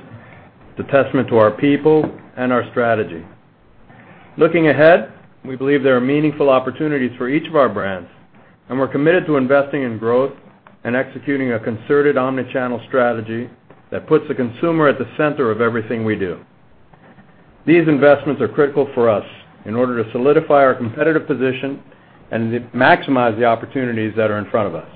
It's a testament to our people and our strategy. Looking ahead, we believe there are meaningful opportunities for each of our brands, we're committed to investing in growth and executing a concerted omnichannel strategy that puts the consumer at the center of everything we do. These investments are critical for us in order to solidify our competitive position and maximize the opportunities that are in front of us.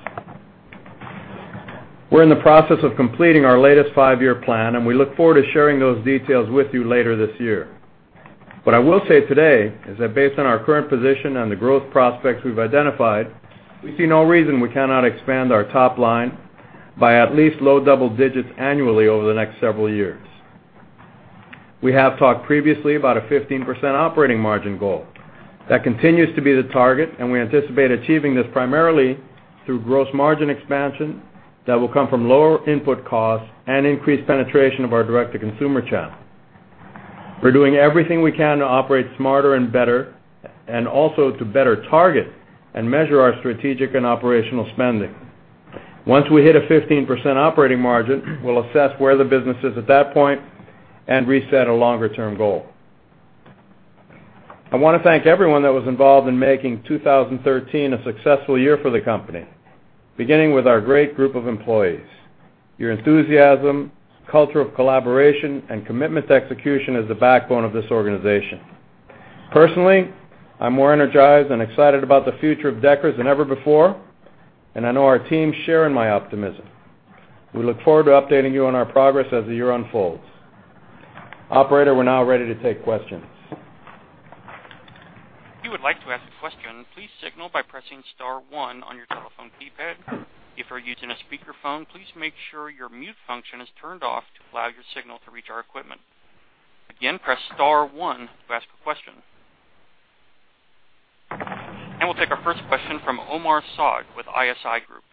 We're in the process of completing our latest five-year plan, we look forward to sharing those details with you later this year. What I will say today is that based on our current position and the growth prospects we've identified, we see no reason we cannot expand our top line by at least low double digits annually over the next several years. We have talked previously about a 15% operating margin goal. That continues to be the target, we anticipate achieving this primarily through gross margin expansion that will come from lower input costs and increased penetration of our direct-to-consumer channel. We're doing everything we can to operate smarter and better, also to better target and measure our strategic and operational spending. Once we hit a 15% operating margin, we'll assess where the business is at that point and reset a longer-term goal. I want to thank everyone that was involved in making 2013 a successful year for the company, beginning with our great group of employees. Your enthusiasm, culture of collaboration, commitment to execution is the backbone of this organization. Personally, I'm more energized and excited about the future of Deckers than ever before, I know our team share in my optimism. We look forward to updating you on our progress as the year unfolds. Operator, we're now ready to take questions. If you would like to ask a question, please signal by pressing star one on your telephone keypad. If you're using a speakerphone, please make sure your mute function is turned off to allow your signal to reach our equipment. Again, press star one to ask a question. We'll take our first question from Omar Saad with ISI Group.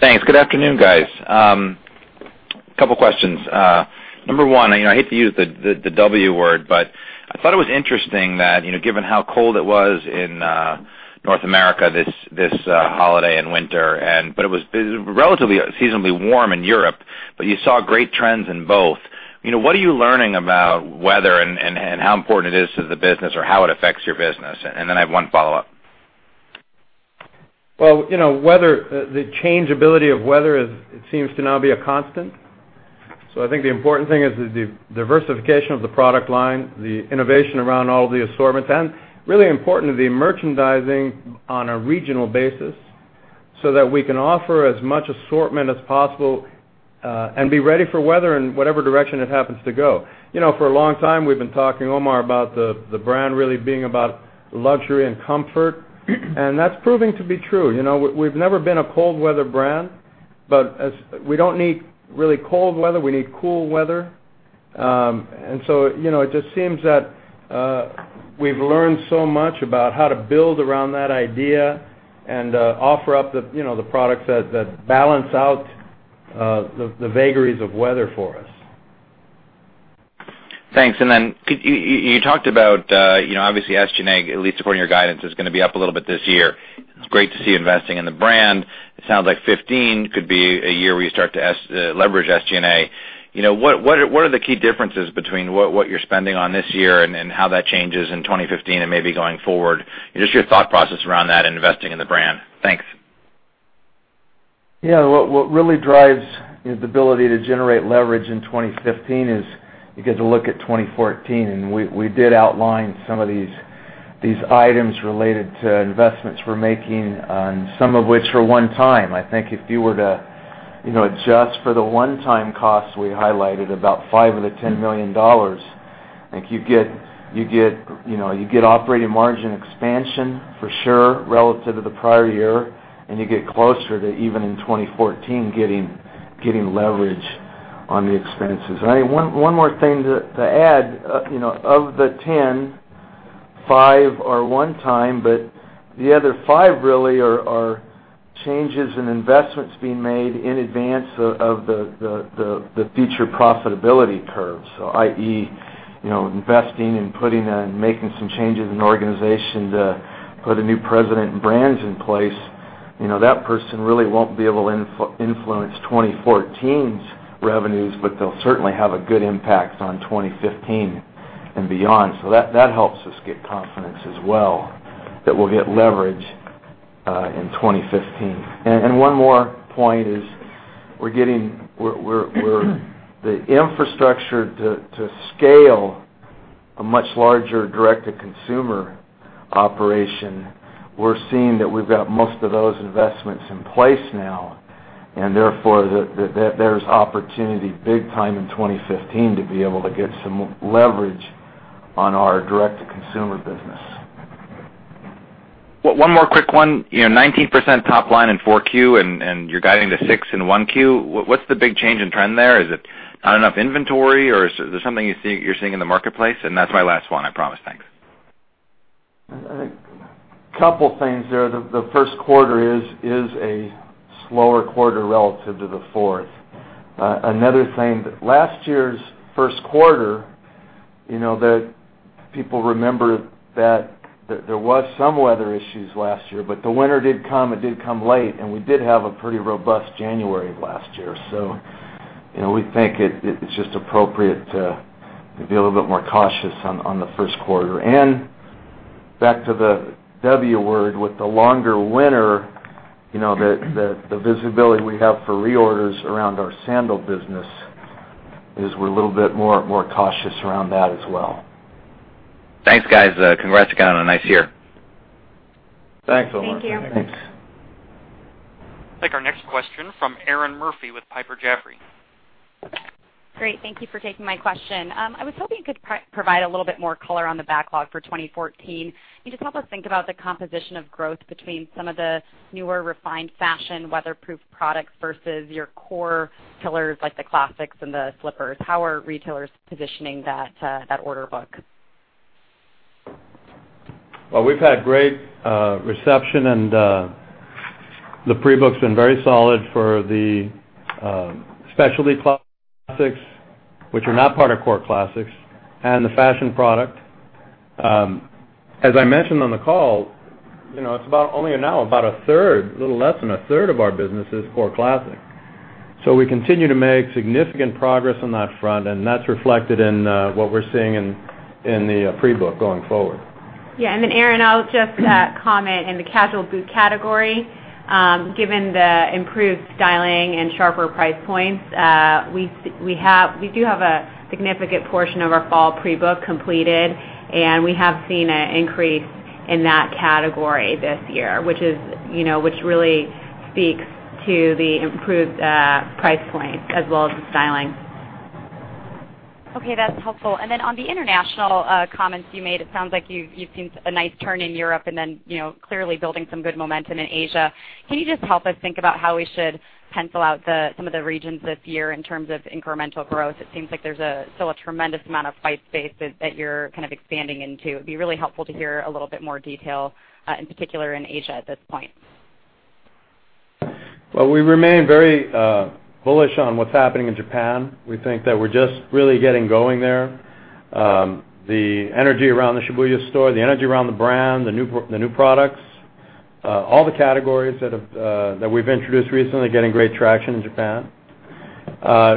Thanks. Good afternoon, guys. Couple questions. Number 1, I hate to use the W word, but I thought it was interesting that, given how cold it was in North America this holiday and winter, but it was relatively seasonably warm in Europe, but you saw great trends in both. What are you learning about weather and how important it is to the business or how it affects your business? Then I have one follow-up. Well, the changeability of weather seems to now be a constant. I think the important thing is the diversification of the product line, the innovation around all the assortments, and really important, the merchandising on a regional basis so that we can offer as much assortment as possible, and be ready for weather in whatever direction it happens to go. For a long time, we've been talking, Omar, about the brand really being about luxury and comfort, and that's proving to be true. We've never been a cold weather brand, but we don't need really cold weather. We need cool weather. It just seems that we've learned so much about how to build around that idea and offer up the products that balance out the vagaries of weather for us. Thanks. You talked about, obviously SG&A, at least according to your guidance, is going to be up a little bit this year. It's great to see you investing in the brand. It sounds like 2015 could be a year where you start to leverage SG&A. What are the key differences between what you're spending on this year and how that changes in 2015 and maybe going forward? Just your thought process around that and investing in the brand. Thanks. What really drives the ability to generate leverage in 2015 is you get to look at 2014, we did outline some of these items related to investments we're making on some of which were one time. I think if you were to adjust for the one-time costs we highlighted, about $5 million-$10 million, I think you get operating margin expansion for sure relative to the prior year, you get closer to even in 2014, getting leverage on the expenses. One more thing to add. Of the 10, five are one time, but the other five really are changes in investments being made in advance of the future profitability curve. I.e., investing and putting and making some changes in the organization to put a new president and brands in place. That person really won't be able to influence 2014's revenues, they'll certainly have a good impact on 2015 and beyond. That helps us get confidence as well, that we'll get leverage in 2015. One more point is the infrastructure to scale a much larger direct-to-consumer operation. We're seeing that we've got most of those investments in place now, therefore, there's opportunity big time in 2015 to be able to get some leverage on our direct-to-consumer business. One more quick one. 19% top line in Q4 you're guiding to six in 1Q. What's the big change in trend there? Is it not enough inventory, is there something you're seeing in the marketplace? That's my last one, I promise. Thanks. I think couple things there. The first quarter is a slower quarter relative to the fourth. Another thing, last year's first quarter, people remember that there was some weather issues last year, the winter did come. It did come late, we did have a pretty robust January of last year. We think it's just appropriate to be a little bit more cautious on the first quarter. Back to the W word with the longer winter, the visibility we have for reorders around our sandal business is we're a little bit more cautious around that as well. Thanks, guys. Congrats on a nice year. Thanks, Omar. Thank you. Thanks. Take our next question from Erinn Murphy with Piper Jaffray. Great. Thank you for taking my question. I was hoping you could provide a little bit more color on the backlog for 2014. Can you just help us think about the composition of growth between some of the newer refined fashion weatherproof products versus your core pillars like the classics and the slippers? How are retailers positioning that order book? Well, we've had great reception, and the pre-book's been very solid for the specialty classics, which are not part of core classics, and the fashion product. As I mentioned on the call, it's about only now, about a third, little less than a third of our business is core classics. We continue to make significant progress on that front, and that's reflected in what we're seeing in the pre-book going forward. Yeah. Erinn, I'll just comment, in the casual boot category, given the improved styling and sharper price points, we do have a significant portion of our fall pre-book completed, and we have seen an increase in that category this year, which really speaks to the improved price point as well as the styling. Okay, that's helpful. On the international comments you made, it sounds like you've seen a nice turn in Europe and then clearly building some good momentum in Asia. Can you just help us think about how we should pencil out some of the regions this year in terms of incremental growth? It seems like there's still a tremendous amount of white space that you're kind of expanding into. It'd be really helpful to hear a little bit more detail, in particular in Asia at this point. Well, we remain very bullish on what's happening in Japan. We think that we're just really getting going there. The energy around the Shibuya store, the energy around the brand, the new products, all the categories that we've introduced recently are getting great traction in Japan.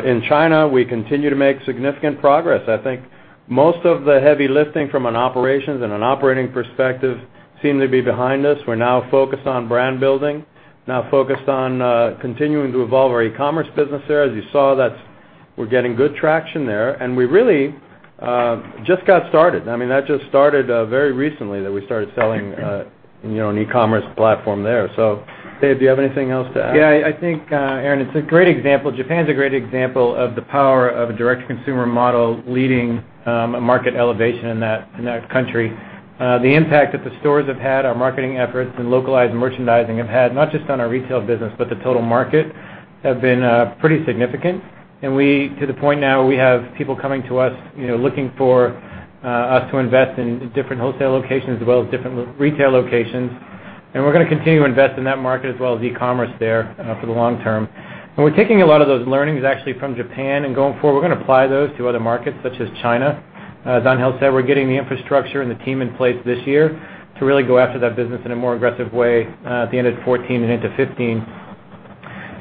In China, we continue to make significant progress. I think most of the heavy lifting from an operations and an operating perspective seem to be behind us. We're now focused on brand building, now focused on continuing to evolve our e-commerce business there. As you saw, we're getting good traction there, and we really just got started. That just started very recently that we started selling an e-commerce platform there. Dave, do you have anything else to add? Yeah, I think, Erinn, Japan's a great example of the power of a direct-to-consumer model leading a market elevation in that country. The impact that the stores have had, our marketing efforts and localized merchandising have had, not just on our retail business, but the total market, have been pretty significant. To the point now where we have people coming to us, looking for us to invest in different wholesale locations as well as different retail locations. We're going to continue to invest in that market as well as e-commerce there for the long term. We're taking a lot of those learnings actually from Japan and going forward, we're going to apply those to other markets such as China. As Angel said, we're getting the infrastructure and the team in place this year to really go after that business in a more aggressive way at the end of 2014 and into 2015.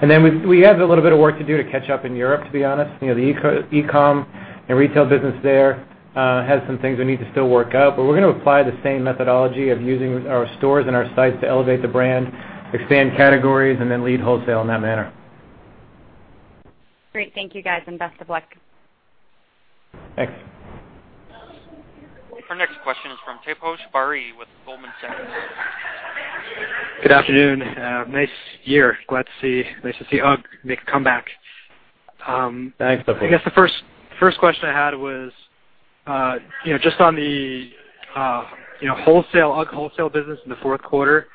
Then we have a little bit of work to do to catch up in Europe, to be honest. The e-com and retail business there has some things we need to still work out. We're going to apply the same methodology of using our stores and our sites to elevate the brand, expand categories, and then lead wholesale in that manner. Great. Thank you, guys, best of luck. Thanks. Our next question is from Taposh Bari with Goldman Sachs. Good afternoon. Nice year. Glad to see UGG make a comeback. Thanks, Taposh. I guess the first question I had was, just on the UGG wholesale business in the fourth quarter.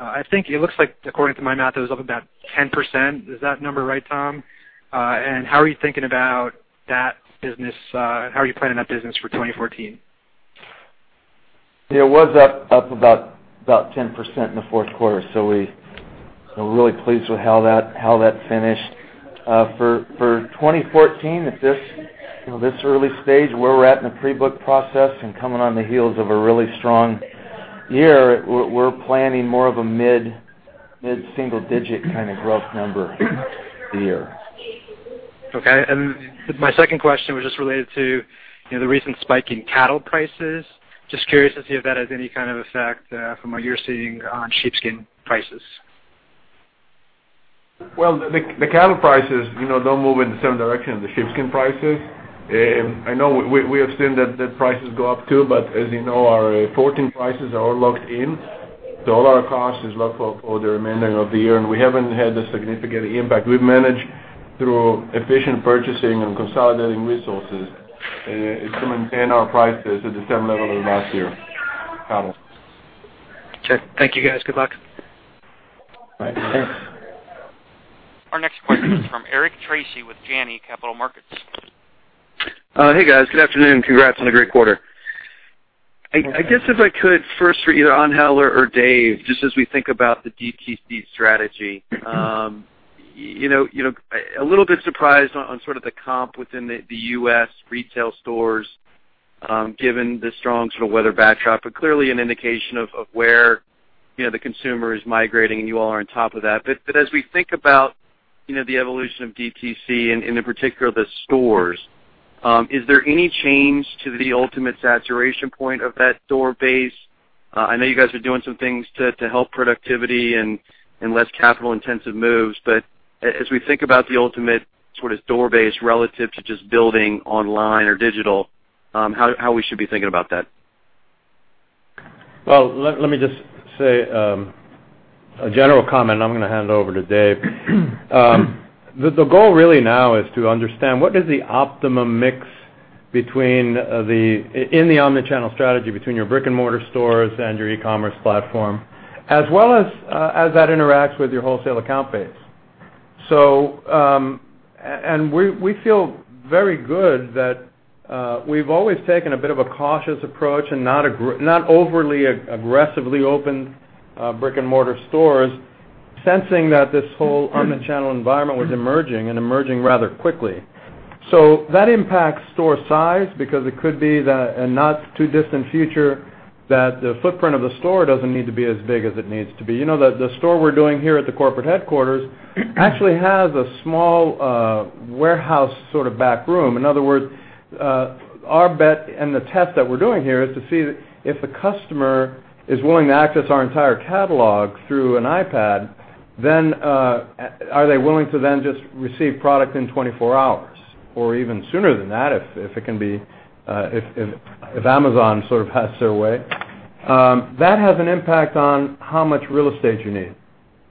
I think it looks like, according to my math, it was up about 10%. Is that number right, Tom? How are you thinking about that business, and how are you planning that business for 2014? Yeah, it was up about 10% in the fourth quarter. We're really pleased with how that finished. For 2014, at this early stage where we're at in the pre-book process and coming on the heels of a really strong year, we're planning more of a mid-single digit kind of growth number for the year. Okay. My second question was just related to the recent spike in cattle prices. Just curious to see if that has any kind of effect from what you're seeing on sheepskin prices. Well, the cattle prices don't move in the same direction as the sheepskin prices. I know we have seen that prices go up, too, but as you know, our 2014 prices are all locked in. All our cost is locked up for the remainder of the year, and we haven't had a significant impact. We've managed through efficient purchasing and consolidating resources to maintain our prices at the same level as last year. Cattle. Okay. Thank you, guys. Good luck. Bye. Thanks. Our next question is from Eric Tracy with Janney Capital Markets. Hey, guys. Good afternoon, congrats on a great quarter. Thanks. I guess if I could first for either Angel or Dave, just as we think about the DTC strategy. A little bit surprised on sort of the comp within the U.S. retail stores, given the strong sort of weather backdrop, clearly an indication of where the consumer is migrating, you all are on top of that. As we think about the evolution of DTC and in particular the stores. Is there any change to the ultimate saturation point of that store base? I know you guys are doing some things to help productivity and less capital-intensive moves. As we think about the ultimate sort of store base relative to just building online or digital, how we should be thinking about that? Well, let me just say a general comment. I'm going to hand it over to Dave. The goal really now is to understand what is the optimum mix in the omni-channel strategy between your brick-and-mortar stores and your e-commerce platform, as well as how that interacts with your wholesale account base. We feel very good that we've always taken a bit of a cautious approach and not overly aggressively opened brick-and-mortar stores, sensing that this whole omni-channel environment was emerging and emerging rather quickly. That impacts store size because it could be that in not-too-distant future that the footprint of the store doesn't need to be as big as it needs to be. The store we're doing here at the corporate headquarters actually has a small warehouse sort of back room. In other words, our bet and the test that we're doing here is to see if the customer is willing to access our entire catalog through an iPad, then are they willing to then just receive product in 24 hours? Or even sooner than that, if Amazon sort of has their way. That has an impact on how much real estate you need.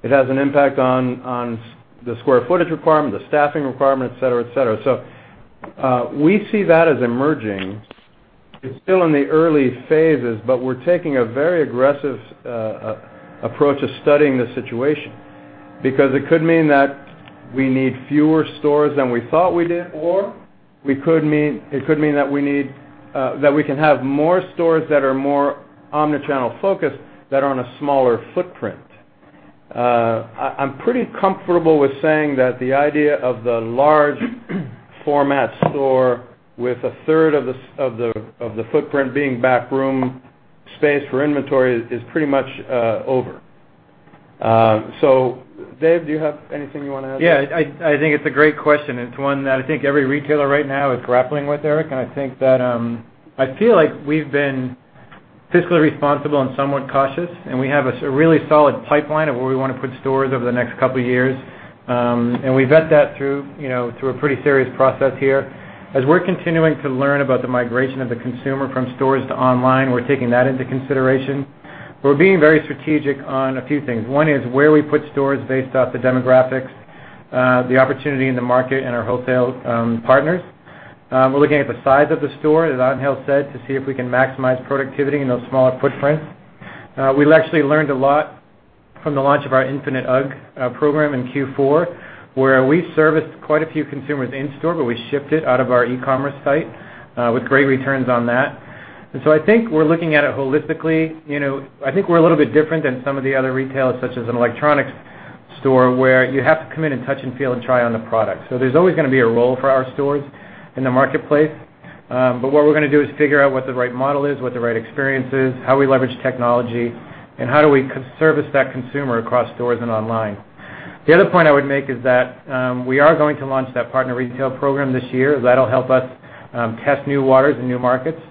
It has an impact on the square footage requirement, the staffing requirement, et cetera. We see that as emerging. It's still in the early phases, but we're taking a very aggressive approach of studying the situation because it could mean that we need fewer stores than we thought we did, or it could mean that we can have more stores that are more omni-channel focused that are on a smaller footprint. I'm pretty comfortable with saying that the idea of the large format store with a third of the footprint being back room space for inventory is pretty much over. Dave, do you have anything you want to add? Yeah, I think it's a great question. It's one that I think every retailer right now is grappling with, Eric, I feel like we've been fiscally responsible and somewhat cautious, and we have a really solid pipeline of where we want to put stores over the next couple of years. We vet that through a pretty serious process here. As we're continuing to learn about the migration of the consumer from stores to online, we're taking that into consideration. We're being very strategic on a few things. One is where we put stores based off the demographics, the opportunity in the market, and our wholesale partners. We're looking at the size of the store, as Angel said, to see if we can maximize productivity in those smaller footprints. We've actually learned a lot from the launch of our Infinite UGG program in Q4, where we serviced quite a few consumers in store, but we shipped it out of our e-commerce site with great returns on that. I think we're looking at it holistically. I think we're a little bit different than some of the other retailers, such as an electronics store, where you have to come in and touch and feel and try on the product. There's always going to be a role for our stores in the marketplace. What we're going to do is figure out what the right model is, what the right experience is, how we leverage technology, and how do we service that consumer across stores and online. The other point I would make is that we are going to launch that partner retail program this year. That'll help us test new waters and new markets.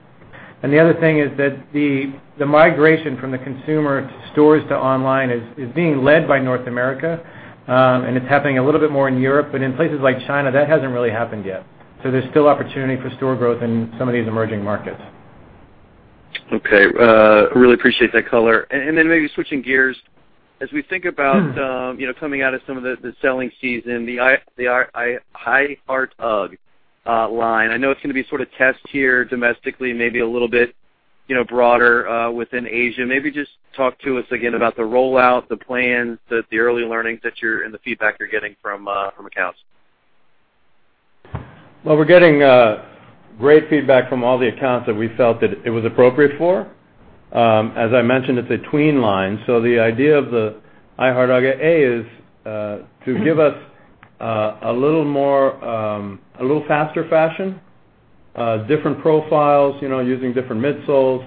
The other thing is that the migration from the consumer stores to online is being led by North America, and it's happening a little bit more in Europe, but in places like China, that hasn't really happened yet. There's still opportunity for store growth in some of these emerging markets. Okay, really appreciate that color. Then maybe switching gears, as we think about coming out of some of the selling season, the I Heart UGG line, I know it's going to be sort of test here domestically, maybe a little bit broader within Asia. Maybe just talk to us again about the rollout, the plans, the early learnings, and the feedback you're getting from accounts. Well, we're getting great feedback from all the accounts that we felt that it was appropriate for. As I mentioned, it's a tween line, the idea of the I Heart UGG is to give us a little faster fashion, different profiles using different midsoles,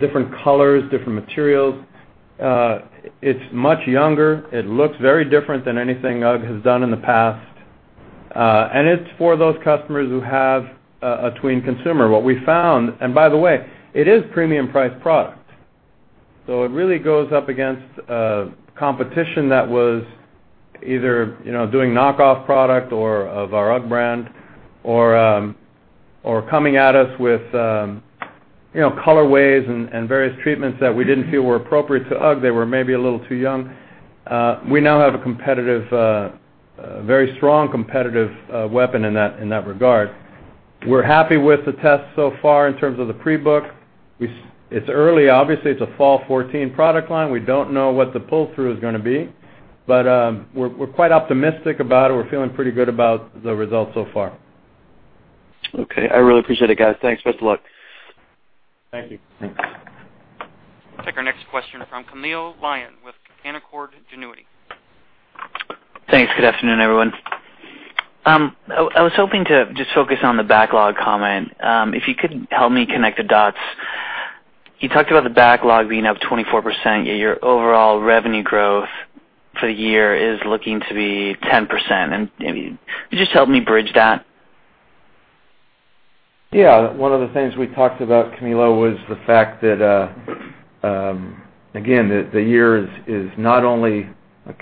different colors, different materials. It's much younger. It looks very different than anything UGG has done in the past. It's for those customers who have a tween consumer. By the way, it is premium priced product. It really goes up against competition that was either doing knockoff product of our UGG brand or coming at us with colorways and various treatments that we didn't feel were appropriate to UGG. They were maybe a little too young. We now have a very strong competitive weapon in that regard. We're happy with the test so far in terms of the pre-book. It's early, obviously. It's a fall 2014 product line. We don't know what the pull-through is going to be, we're quite optimistic about it. We're feeling pretty good about the results so far. Okay. I really appreciate it, guys. Thanks. Best of luck. Thank you. Thanks. Take our next question from Camilo Lyon with Canaccord Genuity. Thanks. Good afternoon, everyone. I was hoping to just focus on the backlog comment. If you could help me connect the dots. You talked about the backlog being up 24%, yet your overall revenue growth for the year is looking to be 10%. Can you just help me bridge that? Yeah. One of the things we talked about, Camilo, was the fact that, again, the year is not only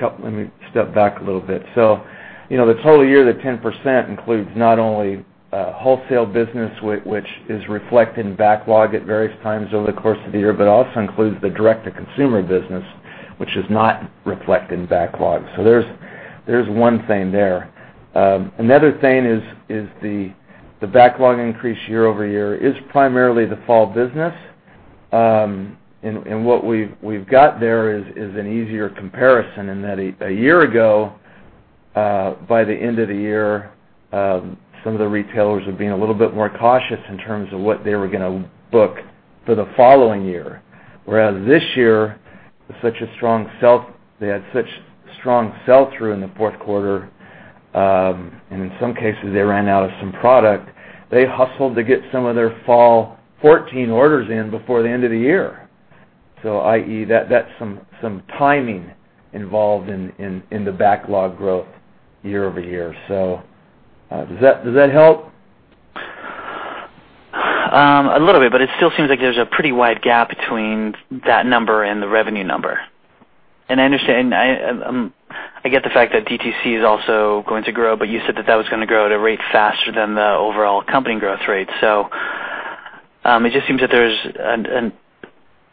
Let me step back a little bit. The total year, the 10% includes not only wholesale business, which is reflected in backlog at various times over the course of the year, but also includes the direct-to-consumer business, which is not reflected in backlog. There's one thing there. Another thing is the backlog increase year-over-year is primarily the fall business. What we've got there is an easier comparison in that a year ago, by the end of the year, some of the retailers were being a little bit more cautious in terms of what they were going to book for the following year. Whereas this year, they had such strong sell-through in the fourth quarter, and in some cases they ran out of some product. They hustled to get some of their fall 2014 orders in before the end of the year. I.e., that's some timing involved in the backlog growth year-over-year. Does that help? A little bit, it still seems like there's a pretty wide gap between that number and the revenue number. I get the fact that DTC is also going to grow, you said that that was going to grow at a rate faster than the overall company growth rate. It just seems that there's an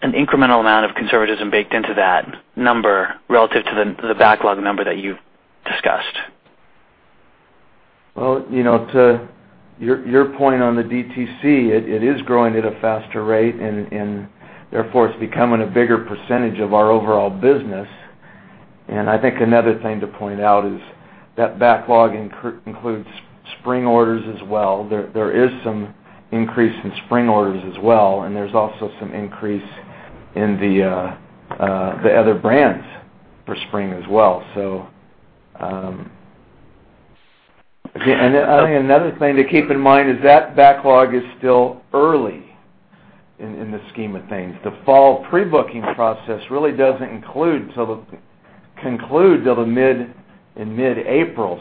incremental amount of conservatism baked into that number relative to the backlog number that you've discussed. Well, to your point on the DTC, it is growing at a faster rate, and therefore it's becoming a bigger percentage of our overall business. I think another thing to point out is that backlog includes spring orders as well. There is some increase in spring orders as well, there's also some increase in the other brands for spring as well. Again, another thing to keep in mind is that backlog is still early in the scheme of things. The fall pre-booking process really doesn't conclude till mid-April.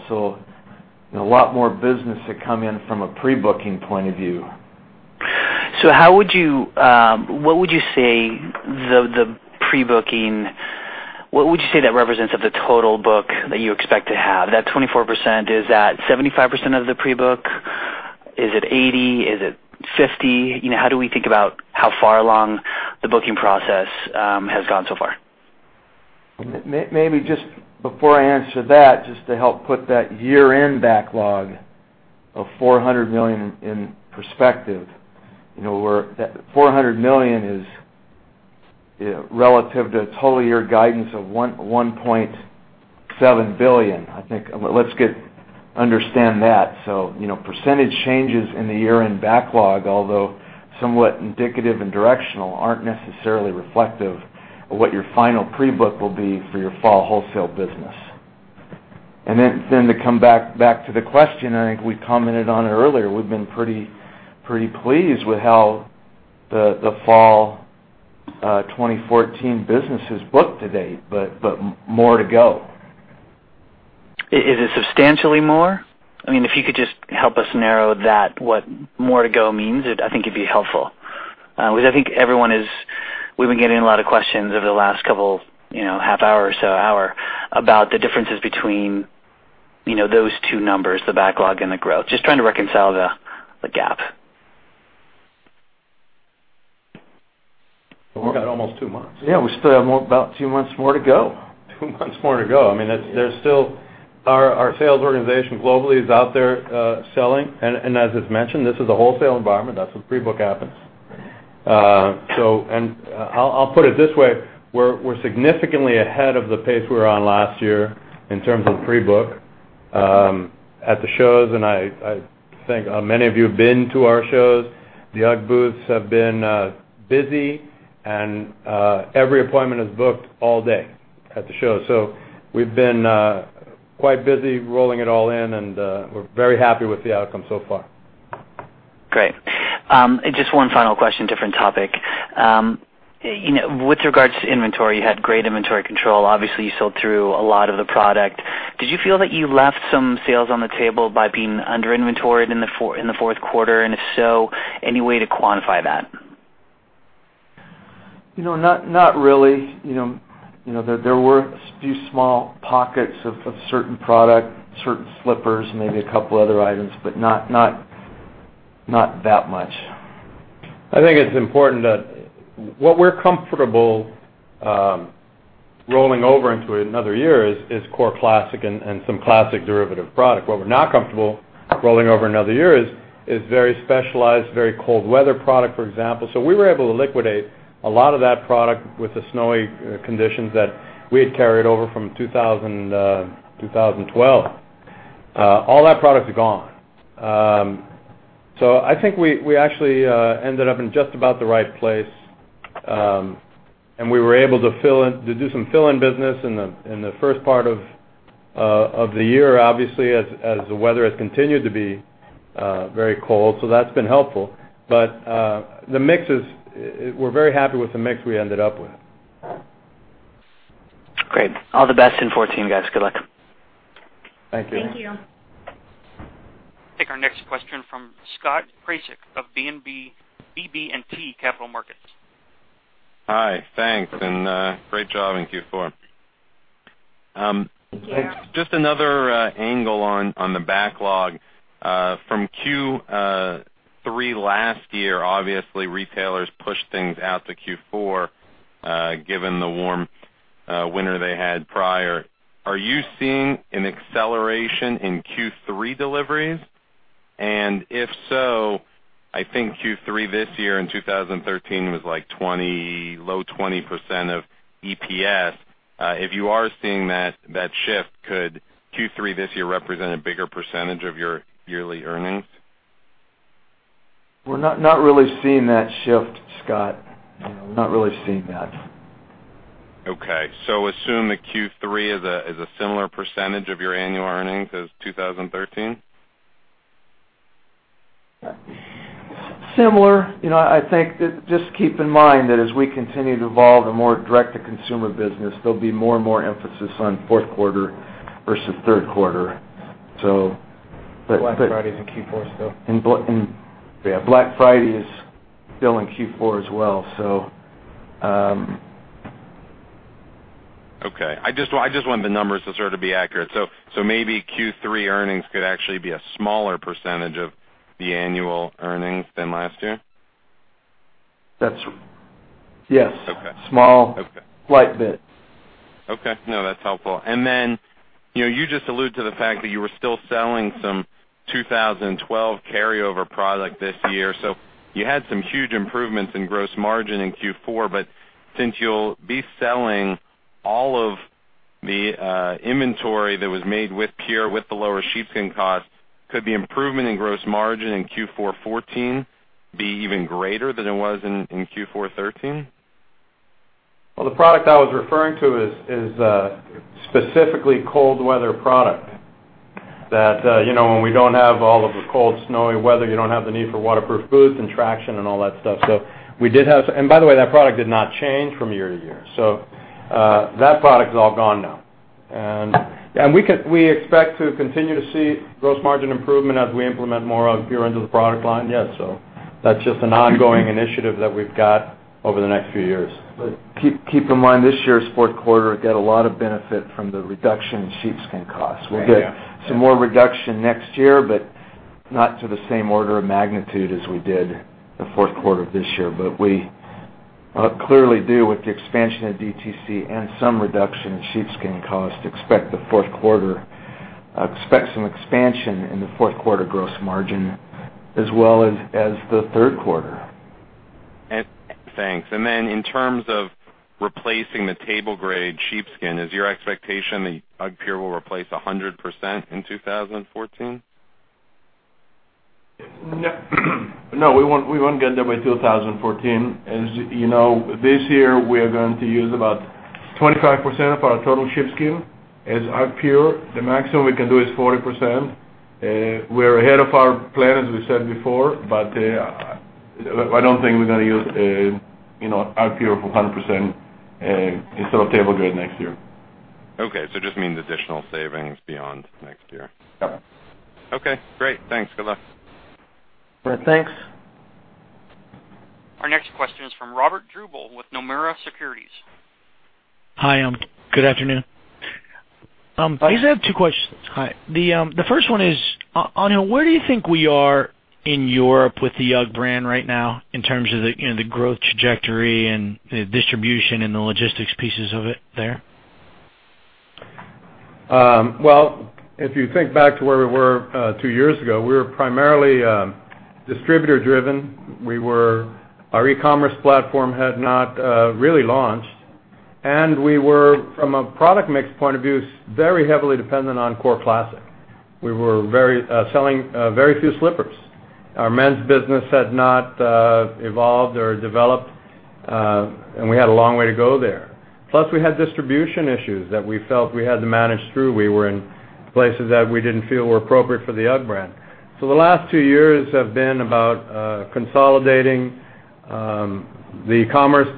A lot more business to come in from a pre-booking point of view. What would you say the pre-booking, what would you say that represents of the total book that you expect to have? That 24%, is that 75% of the pre-book? Is it 80%? Is it 50%? How do we think about how far along the booking process has gone so far? Maybe just before I answer that, just to help put that year-end backlog of $400 million in perspective. That $400 million is relative to total year guidance of $1.7 billion. I think let's understand that. Percentage changes in the year-end backlog, although somewhat indicative and directional, aren't necessarily reflective of what your final pre-book will be for your fall wholesale business. To come back to the question, I think we commented on it earlier. We've been pretty pleased with how the Fall 2014 business is booked to date, but more to go. Is it substantially more? If you could just help us narrow that, what more to go means, I think it'd be helpful. I think we've been getting a lot of questions over the last couple half hour or so, hour, about the differences between those two numbers, the backlog and the growth. Just trying to reconcile the gap. We've got almost two months. Yeah, we still have about two months more to go. Two months more to go. Our sales organization globally is out there selling. As is mentioned, this is a wholesale environment. That's where pre-book happens. I'll put it this way, we're significantly ahead of the pace we were on last year in terms of pre-book. At the shows, and I think many of you have been to our shows, the UGG booths have been busy and every appointment is booked all day at the show. We've been quite busy rolling it all in, and we're very happy with the outcome so far. Great. Just one final question, different topic. With regards to inventory, you had great inventory control. Obviously, you sold through a lot of the product. Did you feel that you left some sales on the table by being under-inventoried in the fourth quarter, and if so, any way to quantify that? Not really. There were a few small pockets of certain product, certain slippers, maybe a couple other items, not that much. I think it's important that what we're comfortable rolling over into another year is core classic and some classic derivative product. What we're not comfortable rolling over into another year is very specialized, very cold weather product, for example. We were able to liquidate a lot of that product with the snowy conditions that we had carried over from 2012. All that product is gone. I think we actually ended up in just about the right place, and we were able to do some fill-in business in the first part of the year, obviously, as the weather has continued to be very cold. That's been helpful. We're very happy with the mix we ended up with. Great. All the best in 2014, guys. Good luck. Thank you. Thank you. Take our next question from Scott Pracic of BB&T Capital Markets. Hi, thanks, great job in Q4. Thank you. Just another angle on the backlog. From Q3 last year, obviously retailers pushed things out to Q4, given the warm winter they had prior. Are you seeing an acceleration in Q3 deliveries? If so, I think Q3 this year in 2013 was like low 20% of EPS. If you are seeing that shift, could Q3 this year represent a bigger percentage of your yearly earnings? We're not really seeing that shift, Scott. We're not really seeing that. Assume that Q3 is a similar % of your annual earnings as 2013? Similar. I think, just keep in mind that as we continue to evolve a more direct-to-consumer business, there'll be more and more emphasis on fourth quarter versus third quarter. Black Friday's in Q4 still. Yeah. Black Friday is still in Q4 as well. Okay. I just want the numbers to sort of be accurate. Maybe Q3 earnings could actually be a smaller percentage of the annual earnings than last year? Yes. Okay. Small. Okay. Slight bit. Okay. No, that's helpful. You just allude to the fact that you were still selling some 2012 carryover product this year. You had some huge improvements in gross margin in Q4, but since you'll be selling all of the inventory that was made with UGGpure, with the lower sheepskin cost, could the improvement in gross margin in Q4 2014 be even greater than it was in Q4 2013? The product I was referring to is specifically cold weather product, that when we don't have all of the cold, snowy weather, you don't have the need for waterproof boots and traction and all that stuff. By the way, that product did not change from year to year. That product is all gone now. We expect to continue to see gross margin improvement as we implement more UGGpure into the product line. That's just an ongoing initiative that we've got over the next few years. Keep in mind, this year's fourth quarter got a lot of benefit from the reduction in sheepskin cost. Yeah. We'll get some more reduction next year, not to the same order of magnitude as we did the fourth quarter of this year. We clearly do, with the expansion of DTC and some reduction in sheepskin cost, expect some expansion in the fourth quarter gross margin, as well as the third quarter. Thanks. Then in terms of replacing the table grade sheepskin, is your expectation that UGGpure will replace 100% in 2014? No. We won't get there by 2014. As you know, this year, we are going to use about 25% of our total sheepskin as UGGpure. The maximum we can do is 40%. We're ahead of our plan, as we said before, but I don't think we're going to use UGGpure for 100% instead of table grade next year. Okay. Just means additional savings beyond next year. Yep. Okay, great. Thanks. Good luck. All right, thanks. Our next question is from Robert Drbul with Nomura Securities. Hi, good afternoon. Hi. I just have two questions. Hi. The first one is, Angel, where do you think we are in Europe with the UGG brand right now, in terms of the growth trajectory and the distribution and the logistics pieces of it there? Well, if you think back to where we were two years ago, we were primarily distributor-driven. Our e-commerce platform had not really launched. We were, from a product mix point of view, very heavily dependent on core classic. We were selling very few slippers. Our men's business had not evolved or developed, and we had a long way to go there. Plus, we had distribution issues that we felt we had to manage through. We were in places that we didn't feel were appropriate for the UGG brand. The last two years have been about consolidating the commerce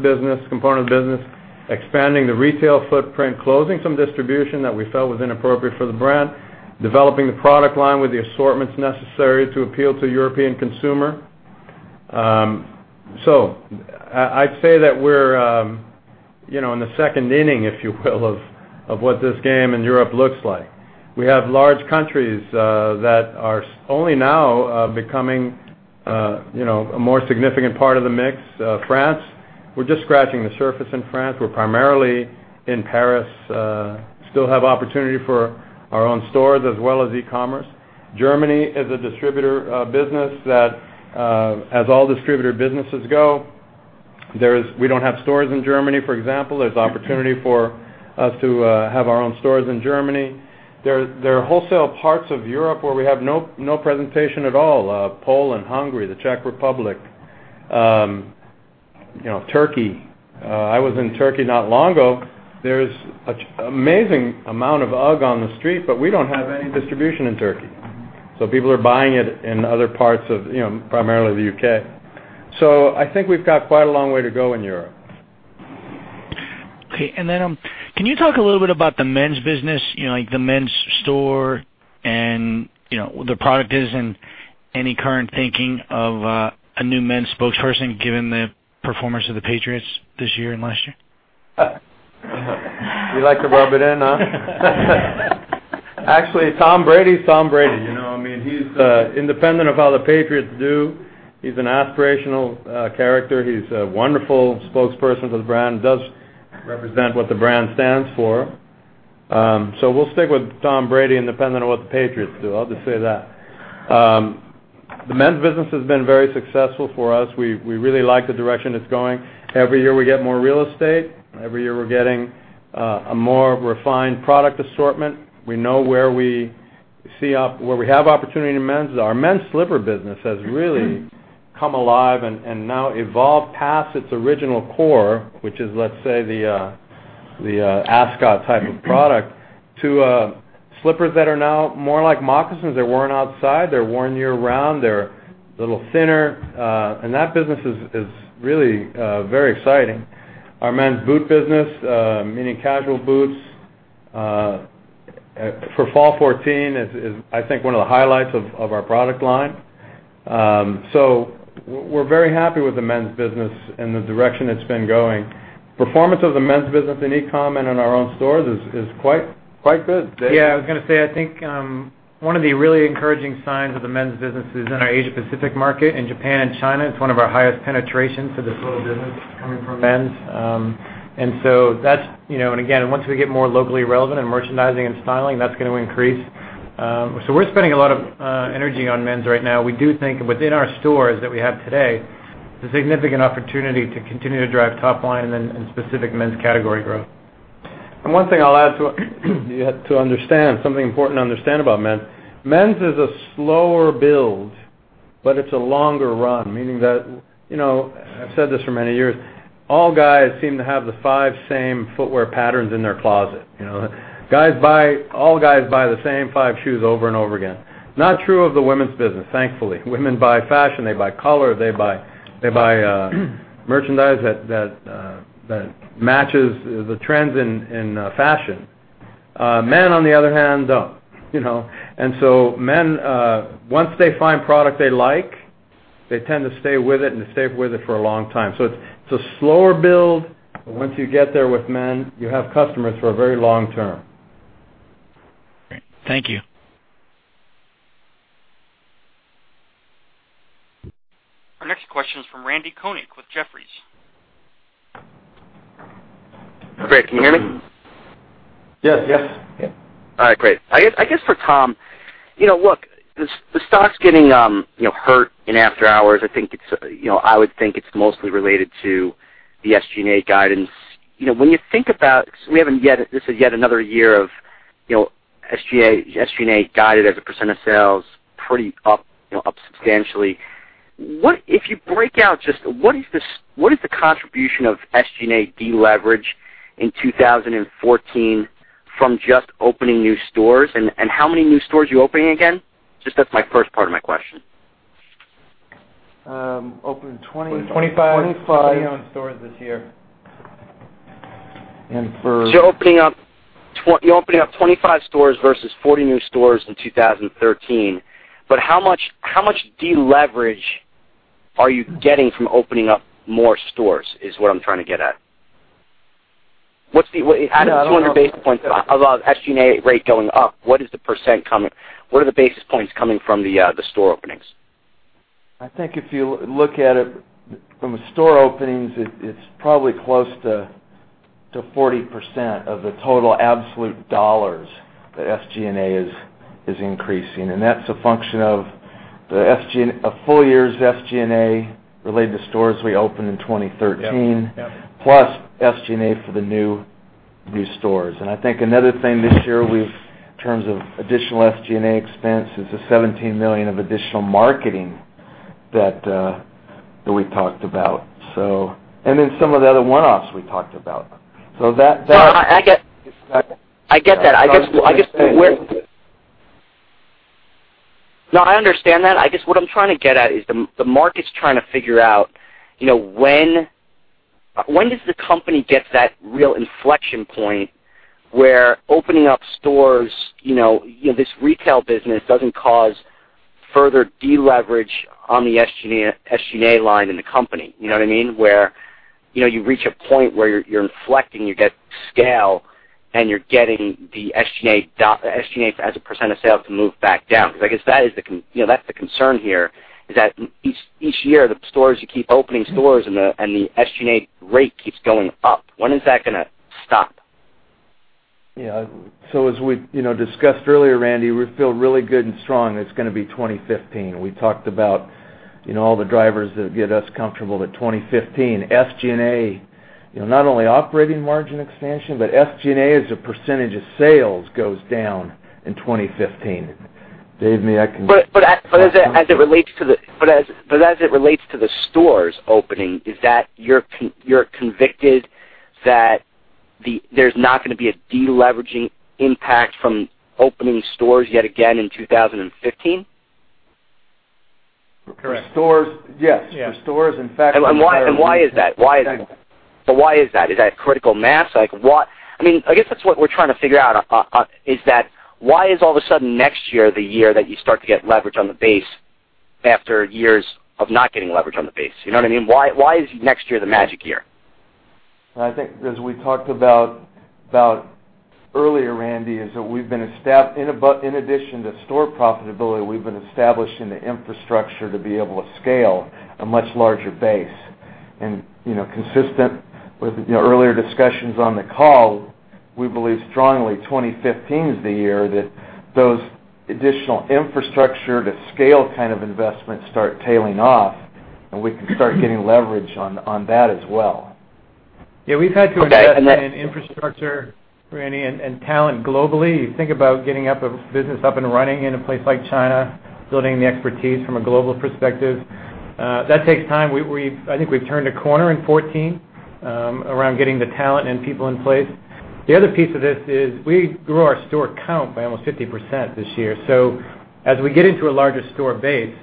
component of the business, expanding the retail footprint, closing some distribution that we felt was inappropriate for the brand, developing the product line with the assortments necessary to appeal to European consumer. I'd say that we're in the second inning, if you will, of what this game in Europe looks like. We have large countries that are only now becoming a more significant part of the mix. France, we're just scratching the surface in France. We're primarily in Paris. Still have opportunity for our own stores, as well as e-commerce. Germany is a distributor business that, as all distributor businesses go, we don't have stores in Germany, for example. There's opportunity for us to have our own stores in Germany. There are wholesale parts of Europe where we have no presentation at all. Poland, Hungary, the Czech Republic. Turkey. I was in Turkey not long ago. There's an amazing amount of UGG on the street, but we don't have any distribution in Turkey. People are buying it in other parts of primarily the U.K. I think we've got quite a long way to go in Europe. Okay, can you talk a little bit about the men's business, like the men's store, and the product is, any current thinking of a new men's spokesperson given the performance of the Patriots this year and last year? You like to rub it in, huh? Actually, Tom Brady is Tom Brady. Independent of how the Patriots do, he's an aspirational character. He's a wonderful spokesperson for the brand, does represent what the brand stands for. We'll stick with Tom Brady independent of what the Patriots do, I'll just say that. The men's business has been very successful for us. We really like the direction it's going. Every year, we get more real estate. Every year, we're getting a more refined product assortment. We know where we have opportunity in the men's. Our men's slipper business has really come alive and now evolved past its original core, which is, let's say, the Ascot type of product, to slippers that are now more like moccasins. They're worn outside. They're worn year-round. They're a little thinner. That business is really very exciting. Our men's boot business, meaning casual boots, for fall 2014 is, I think, one of the highlights of our product line. We're very happy with the men's business and the direction it's been going. Performance of the men's business in e-com and in our own stores is quite good. Dave? Yeah, I was going to say, I think one of the really encouraging signs of the men's business is in our Asia Pacific market. In Japan and China, it's one of our highest penetrations of this whole business coming from men's. Again, once we get more locally relevant in merchandising and styling, that's going to increase. We're spending a lot of energy on men's right now. We do think within our stores that we have today, there's significant opportunity to continue to drive top line and specific men's category growth. One thing I'll add to understand, something important to understand about men. Men's is a slower build, but it's a longer run, meaning that, I've said this for many years, all guys seem to have the five same footwear patterns in their closet. All guys buy the same five shoes over and over again. Not true of the women's business, thankfully. Women buy fashion, they buy color, they buy merchandise that matches the trends in fashion. Men, on the other hand, don't. Men, once they find product they like, they tend to stay with it and stay with it for a long time. It's a slower build, but once you get there with men, you have customers for a very long term. Great. Thank you. Our next question is from Randal Konik with Jefferies. Great. Can you hear me? Yes. All right, great. I guess for Tom, look, the stock's getting hurt in after hours. I would think it's mostly related to the SG&A guidance. When you think about, because this is yet another year of SG&A guided as a % of sales pretty up substantially. If you break out, just what is the contribution of SG&A deleverage in 2014 from just opening new stores, and how many new stores are you opening again? Just that's my first part of my question. Opening 25. 25 stores this year. You're opening up 25 stores versus 40 new stores in 2013. How much deleverage are you getting from opening up more stores, is what I'm trying to get at. Out of the 200 basis points of SG&A rate going up, what is the % coming? What are the basis points coming from the store openings? I think if you look at it from the store openings, it's probably close to 40% of the total absolute dollars that SG&A is increasing, and that's a function of a full year's SG&A related to stores we opened in 2013. Yep. Plus SG&A for the new stores. I think another thing this year in terms of additional SG&A expense is the $17 million of additional marketing that we talked about. Then some of the other one-offs we talked about. That. No, I get that. I get that. I guess where. No, I understand that. I guess what I'm trying to get at is the market's trying to figure out, when does the company get to that real inflection point where opening up stores, this retail business doesn't cause further deleverage on the SG&A line in the company? You know what I mean? Where you reach a point where you're inflecting, you get scale, and you're getting the SG&A as a % of sales to move back down. I guess that's the concern here, is that each year, you keep opening stores and the SG&A rate keeps going up. When is that going to stop? Yeah. As we discussed earlier, Randy, we feel really good and strong it's going to be 2015. We talked about all the drivers that get us comfortable that 2015, SG&A Not only operating margin expansion, but SG&A as a % of sales goes down in 2015. Dave, may I continue? As it relates to the stores opening, is it that you're convicted that there's not going to be a deleveraging impact from opening stores yet again in 2015? Correct. Yes. The stores, in fact- Why is that? Exactly. Why is that? Is that critical mass? I guess that's what we're trying to figure out, is that why is all of a sudden next year the year that you start to get leverage on the base after years of not getting leverage on the base? You know what I mean? Why is next year the magic year? I think as we talked about earlier, Randy, is that in addition to store profitability, we've been establishing the infrastructure to be able to scale a much larger base. Consistent with earlier discussions on the call, we believe strongly 2015 is the year that those additional infrastructure to scale kind of investments start tailing off, and we can start getting leverage on that as well. Yeah. Okay. in infrastructure, Randy, and talent globally. You think about getting a business up and running in a place like China, building the expertise from a global perspective. That takes time. I think we've turned a corner in 2014 around getting the talent and people in place. The other piece of this is we grew our store count by almost 50% this year. As we get into a larger store base,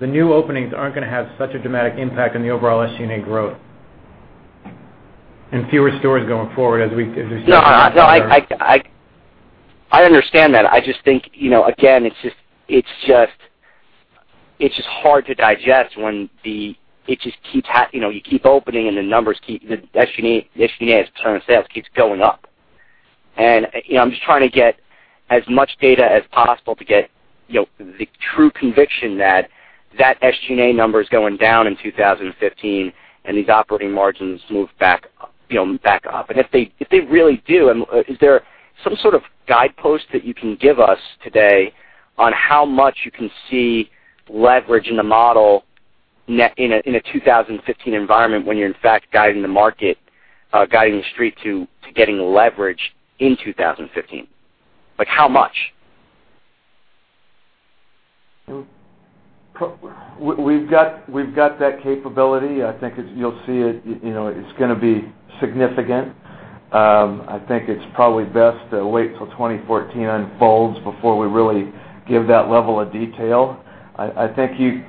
the new openings aren't going to have such a dramatic impact on the overall SG&A growth. Fewer stores going forward as we- No. I understand that. I just think, again, it's just hard to digest when you keep opening and the SG&A as a percentage of sales keeps going up. I'm just trying to get as much data as possible to get the true conviction that that SG&A number is going down in 2015, and these operating margins move back up. If they really do, is there some sort of guidepost that you can give us today on how much you can see leverage in the model in a 2015 environment when you're in fact guiding the market, guiding the street to getting leverage in 2015? Like how much? We've got that capability. I think you'll see it. It's going to be significant. I think it's probably best to wait till 2014 unfolds before we really give that level of detail. I think you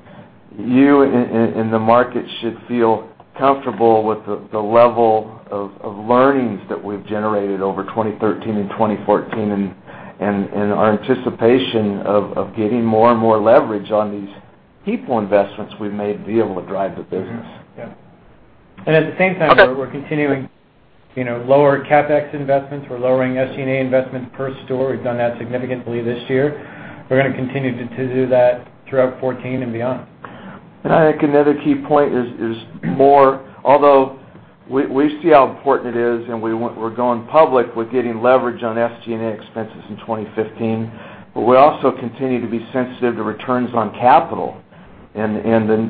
and the market should feel comfortable with the level of learnings that we've generated over 2013 and 2014 and our anticipation of getting more and more leverage on these people investments we've made to be able to drive the business. Yeah. At the same time- Okay We're continuing lower CapEx investments. We're lowering SG&A investments per store. We've done that significantly this year. We're going to continue to do that throughout 2014 and beyond. I think another key point is, although we see how important it is and we're going public with getting leverage on SG&A expenses in 2015, we also continue to be sensitive to returns on capital. The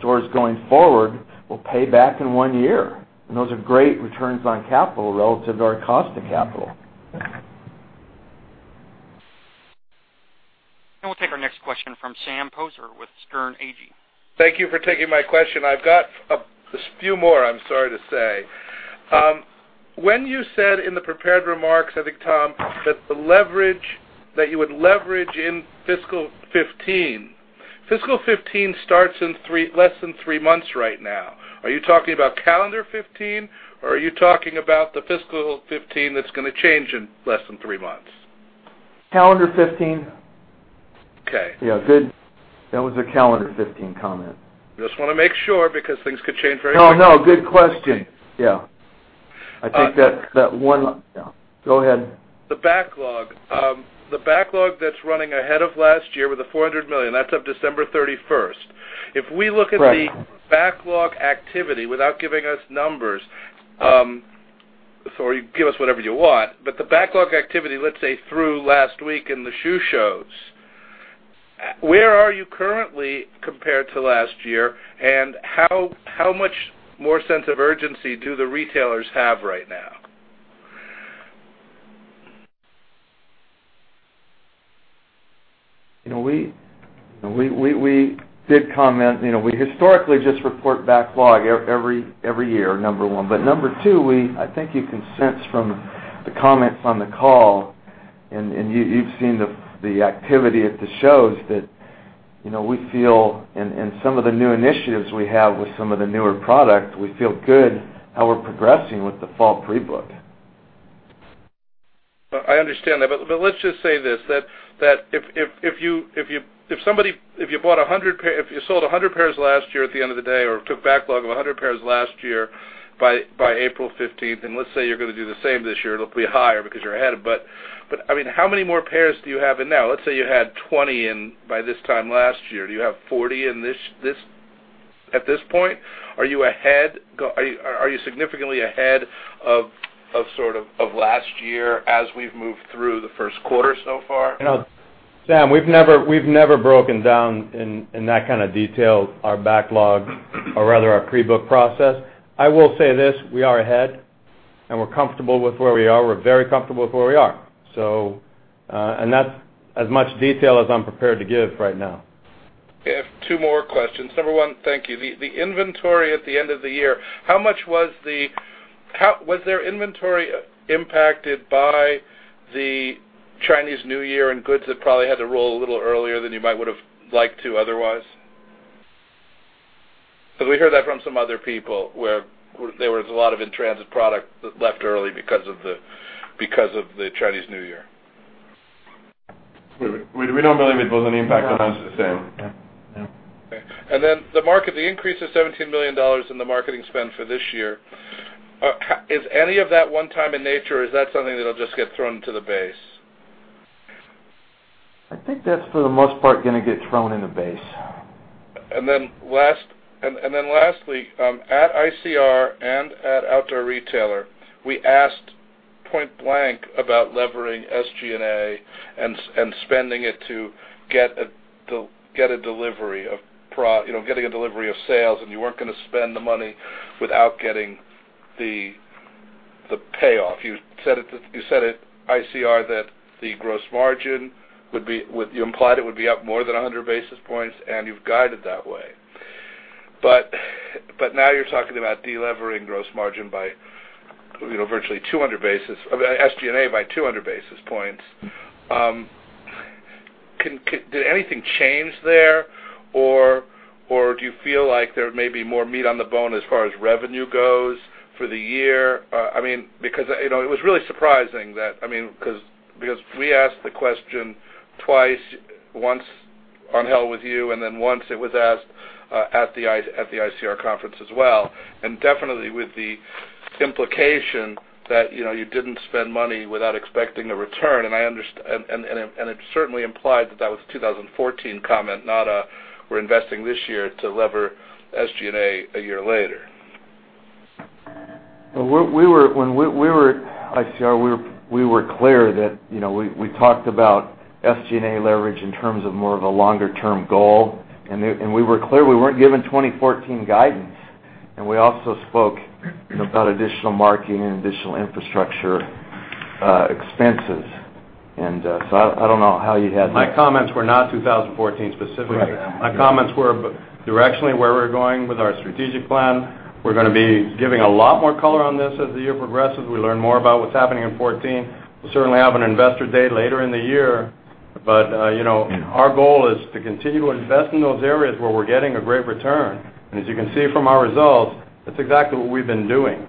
stores going forward will pay back in one year. Those are great returns on capital relative to our cost of capital. We'll take our next question from Sam Poser with Sterne Agee. Thank you for taking my question. I've got a few more, I'm sorry to say. When you said in the prepared remarks, I think, Tom, that the leverage that you would leverage in fiscal 2015, fiscal 2015 starts in less than three months right now. Are you talking about calendar 2015 or are you talking about the fiscal 2015 that's going to change in less than three months? Calendar 2015. Okay. Yeah. That was a calendar 2015 comment. Just want to make sure because things could change very quickly. No, good question. Yeah. I think that one. Go ahead. The backlog that's running ahead of last year with the $400 million, that's of December 31st. If we look at the. Right backlog activity without giving us numbers, or you give us whatever you want, the backlog activity, let's say, through last week in the shoe shows, where are you currently compared to last year and how much more sense of urgency do the retailers have right now? We did comment, we historically just report backlog every year, number one. Number two, I think you can sense from the comments on the call and you've seen the activity at the shows that we feel and some of the new initiatives we have with some of the newer product, we feel good how we're progressing with the fall pre-book. I understand that. Let's just say this, that if you sold 100 pairs last year at the end of the day or took backlog of 100 pairs last year by April 15th, let's say you're going to do the same this year, it'll be higher because you're ahead. How many more pairs do you have in now? Let's say you had 20 in by this time last year. Do you have 40 at this point? Are you significantly ahead of last year as we've moved through the first quarter so far? Sam, we've never broken down in that kind of detail our backlog or rather our pre-book process. I will say this, we are ahead, we're comfortable with where we are. We're very comfortable with where we are. That's as much detail as I'm prepared to give right now. I have two more questions. Number one, thank you. The inventory at the end of the year, was there inventory impacted by the Chinese New Year and goods that probably had to roll a little earlier than you might would've liked to otherwise? Because we heard that from some other people where there was a lot of in-transit product that left early because of the Chinese New Year. We don't believe it was an impact- No. -on us the same. No. Okay. The increase of $17 million in the marketing spend for this year. Is any of that one-time in nature, or is that something that'll just get thrown into the base? I think that's, for the most part, going to get thrown in the base. Lastly, at ICR and at Outdoor Retailer, we asked point blank about levering SG&A and spending it to getting a delivery of sales, and you weren't going to spend the money without getting the payoff. You said at ICR that the gross margin, you implied it would be up more than 100 basis points, and you've guided that way. Now you're talking about de-levering gross margin by virtually SG&A by 200 basis points. Did anything change there? Do you feel like there may be more meat on the bone as far as revenue goes for the year? We asked the question twice, once on hold with you, and once it was asked at the ICR conference as well, and definitely with the implication that you didn't spend money without expecting a return, and it certainly implied that that was a 2014 comment, not a we're investing this year to lever SG&A a year later. When we were at ICR, we were clear that we talked about SG&A leverage in terms of more of a longer-term goal, and we were clear we weren't giving 2014 guidance, and we also spoke about additional marketing and additional infrastructure expenses. My comments were not 2014 specific. Right. My comments were directionally where we're going with our strategic plan. We're going to be giving a lot more color on this as the year progresses. We learn more about what's happening in 2014. We'll certainly have an Investor Day later in the year. Our goal is to continue to invest in those areas where we're getting a great return. As you can see from our results, that's exactly what we've been doing.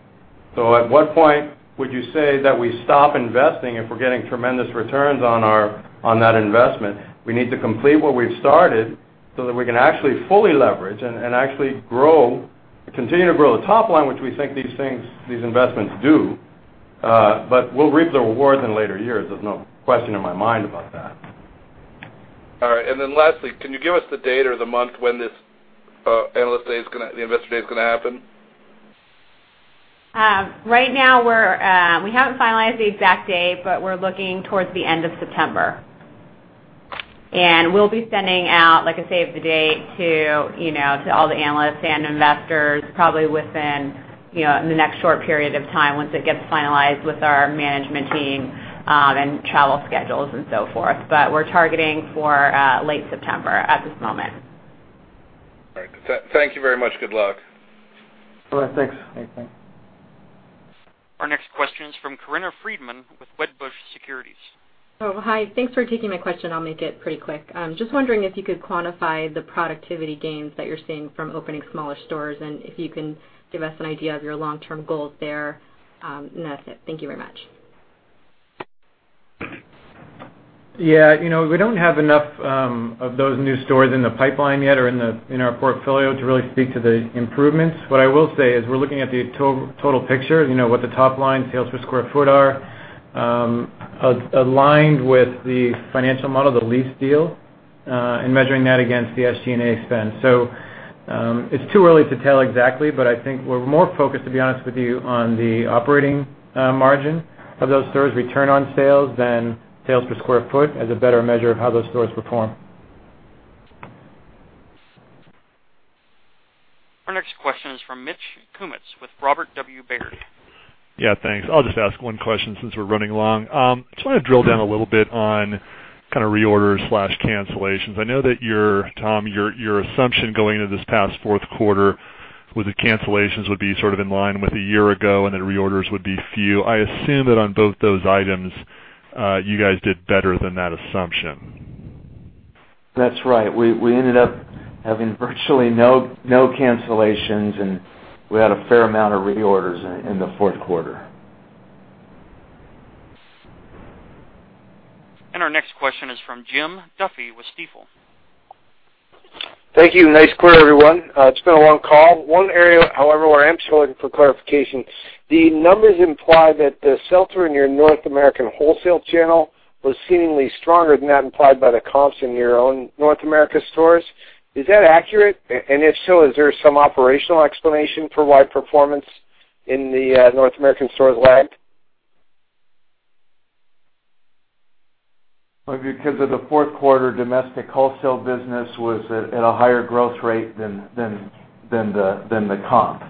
At what point would you say that we stop investing if we're getting tremendous returns on that investment? We need to complete what we've started so that we can actually fully leverage and actually continue to grow the top line, which we think these investments do. We'll reap the rewards in later years. There's no question in my mind about that. All right. Lastly, can you give us the date or the month when this Analyst Day, the Investor Day is going to happen? Right now, we haven't finalized the exact date, but we're looking towards the end of September. We'll be sending out, like I say, the date to all the analysts and investors probably within the next short period of time once it gets finalized with our management team and travel schedules and so forth. We're targeting for late September at this moment. All right. Thank you very much. Good luck. All right. Thanks. Okay, thanks. Our next question is from Corinna Freedman with Wedbush Securities. Oh, hi. Thanks for taking my question. I'll make it pretty quick. Just wondering if you could quantify the productivity gains that you're seeing from opening smaller stores, and if you can give us an idea of your long-term goals there. That's it. Thank you very much. Yeah. We don't have enough of those new stores in the pipeline yet or in our portfolio to really speak to the improvements. What I will say is we're looking at the total picture, what the top-line sales per square foot are aligned with the financial model, the lease deal, and measuring that against the SG&A spend. It's too early to tell exactly, but I think we're more focused, to be honest with you, on the operating margin of those stores' return on sales than sales per square foot as a better measure of how those stores perform. Our next question is from Mitch Kummetz with Robert W. Baird. Yeah, thanks. I'll just ask one question since we're running along. Just want to drill down a little bit on reorders/cancellations. I know that, Tom, your assumption going into this past fourth quarter with the cancellations would be sort of in line with a year ago, and that reorders would be few. I assume that on both those items, you guys did better than that assumption. That's right. We ended up having virtually no cancellations, and we had a fair amount of reorders in the fourth quarter. Our next question is from Jim Duffy with Stifel. Thank you. Nice quarter, everyone. It's been a long call. One area, however, where I am still looking for clarification. The numbers imply that the sell-through in your North American wholesale channel was seemingly stronger than that implied by the comps in your own North America stores. Is that accurate? If so, is there some operational explanation for why performance in the North American stores lagged? Well, because of the fourth quarter, domestic wholesale business was at a higher growth rate than the comp.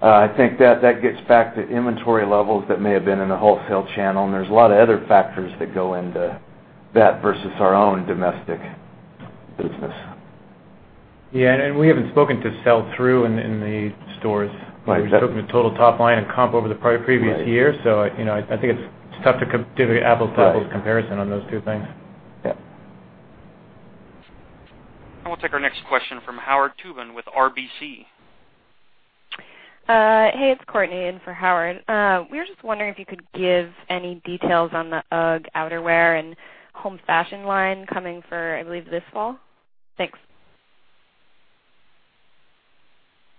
I think that gets back to inventory levels that may have been in the wholesale channel, and there's a lot of other factors that go into that versus our own domestic business. Yeah, we haven't spoken to sell-through in the stores. Right. We've spoken to total top line and comp over the previous year. Right. I think it's tough to do the apples to apples comparison on those two things. Yeah. We'll take our next question from Howard Tubin with RBC. Hey, it's Courtney in for Howard. We were just wondering if you could give any details on the UGG outerwear and home fashion line coming for, I believe, this fall. Thanks.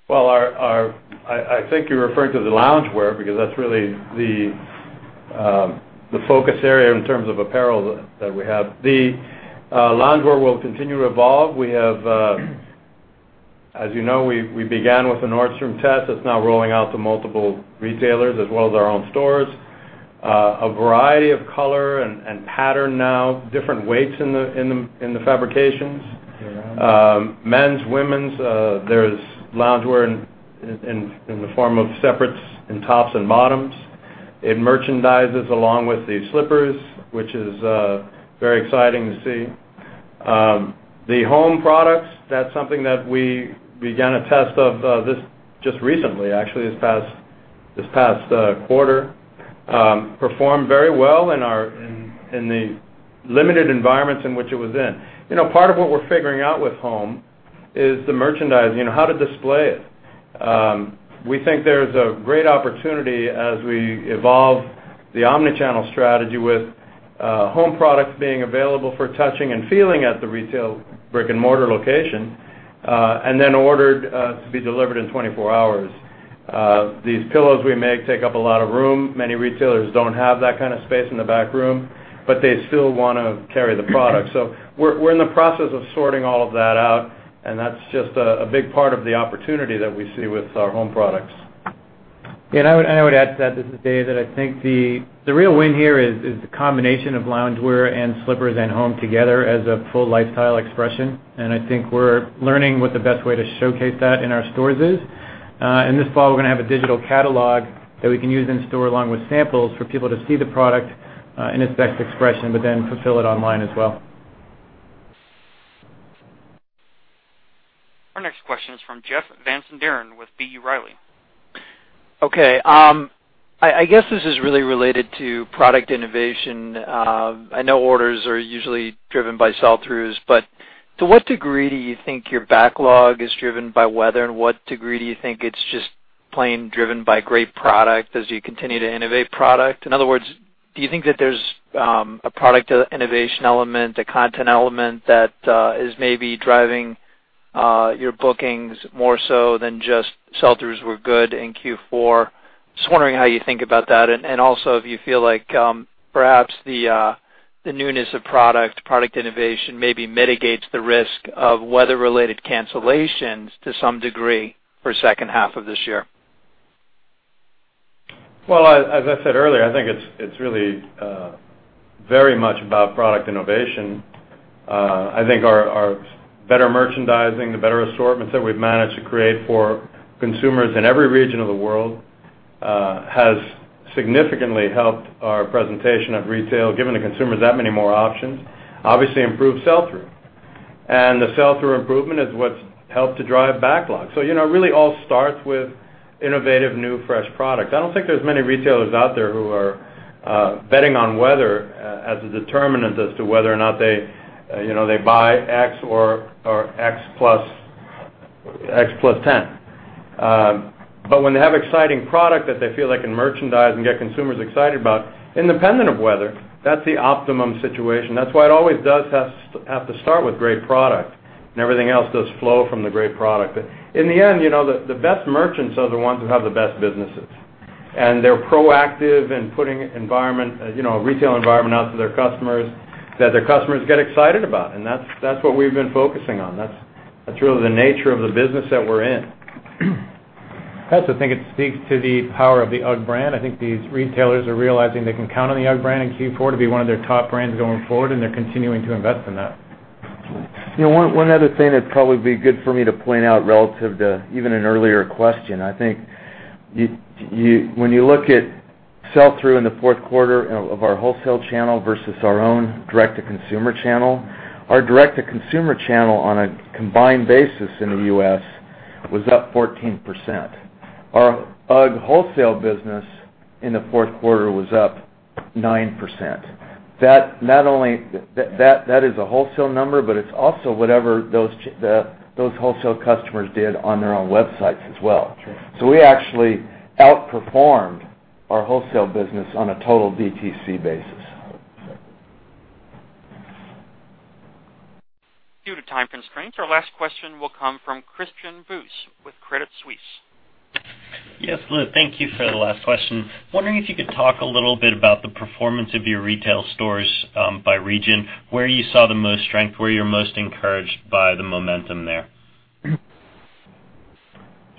Well, I think you're referring to the loungewear because that's really the focus area in terms of apparel that we have. The loungewear will continue to evolve. As you know, we began with a Nordstrom test that's now rolling out to multiple retailers as well as our own stores. A variety of color and pattern now, different weights in the fabrications. Men's, women's, there's loungewear in the form of separates in tops and bottoms. It merchandises along with the slippers, which is very exciting to see. The home products, that's something that we began a test of just recently, actually, this past quarter. Performed very well in the limited environments in which it was in. Part of what we're figuring out with home is the merchandising and how to display it. We think there's a great opportunity as we evolve the omnichannel strategy with home products being available for touching and feeling at the retail brick-and-mortar location, then ordered to be delivered in 24 hours. These pillows we make take up a lot of room. Many retailers don't have that kind of space in the back room, but they still want to carry the product. We're in the process of sorting all of that out, and that's just a big part of the opportunity that we see with our home products. I would add to that, this is Dave, that I think the real win here is the combination of loungewear and slippers and home together as a full lifestyle expression. I think we're learning what the best way to showcase that in our stores is. This fall, we're going to have a digital catalog that we can use in store along with samples for people to see the product in its best expression, but then fulfill it online as well. Our next question is from Jeff Van Sinderen with B. Riley. I guess this is really related to product innovation. I know orders are usually driven by sell-throughs, but to what degree do you think your backlog is driven by weather, and what degree do you think it's just plain driven by great product as you continue to innovate product? In other words, do you think that there's a product innovation element, a content element that is maybe driving your bookings more so than just sell-throughs were good in Q4? Just wondering how you think about that. Also if you feel like perhaps the newness of product innovation maybe mitigates the risk of weather-related cancellations to some degree for second half of this year. Well, as I said earlier, I think it's really very much about product innovation. I think our better merchandising, the better assortments that we've managed to create for consumers in every region of the world, has significantly helped our presentation at retail, giving the consumers that many more options, obviously improved sell-through. The sell-through improvement is what's helped to drive backlog. It really all starts with innovative, new, fresh product. I don't think there's many retailers out there who are betting on weather as a determinant as to whether or not they buy X or X plus 10. When they have exciting product that they feel they can merchandise and get consumers excited about, independent of weather, that's the optimum situation. That's why it always does have to start with great product, and everything else does flow from the great product. In the end, the best merchants are the ones who have the best businesses. They're proactive in putting a retail environment out to their customers that their customers get excited about. That's what we've been focusing on. That's really the nature of the business that we're in. I think it speaks to the power of the UGG brand. I think these retailers are realizing they can count on the UGG brand in Q4 to be one of their top brands going forward, and they're continuing to invest in that. One other thing that'd probably be good for me to point out relative to even an earlier question. I think when you look at sell-through in the fourth quarter of our wholesale channel versus our own direct-to-consumer channel, our direct-to-consumer channel on a combined basis in the U.S. was up 14%. Our UGG wholesale business in the fourth quarter was up 9%. That is a wholesale number, but it's also whatever those wholesale customers did on their own websites as well. Sure. We actually outperformed our wholesale business on a total DTC basis. Due to time constraints, our last question will come from Christian Buss with Credit Suisse. Yes. [Lou], thank you for the last question. I'm wondering if you could talk a little bit about the performance of your retail stores by region, where you saw the most strength, where you're most encouraged by the momentum there.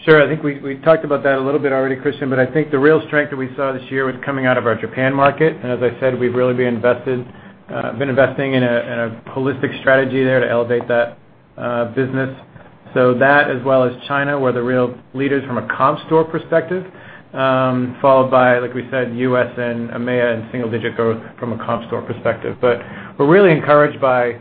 Sure. I think we talked about that a little bit already, Christian, I think the real strength that we saw this year was coming out of our Japan market. As I said, we've really been investing in a holistic strategy there to elevate that business. That as well as China, were the real leaders from a comp store perspective, followed by, like we said, U.S. and EMEA in single-digit growth from a comp store perspective. We're really encouraged by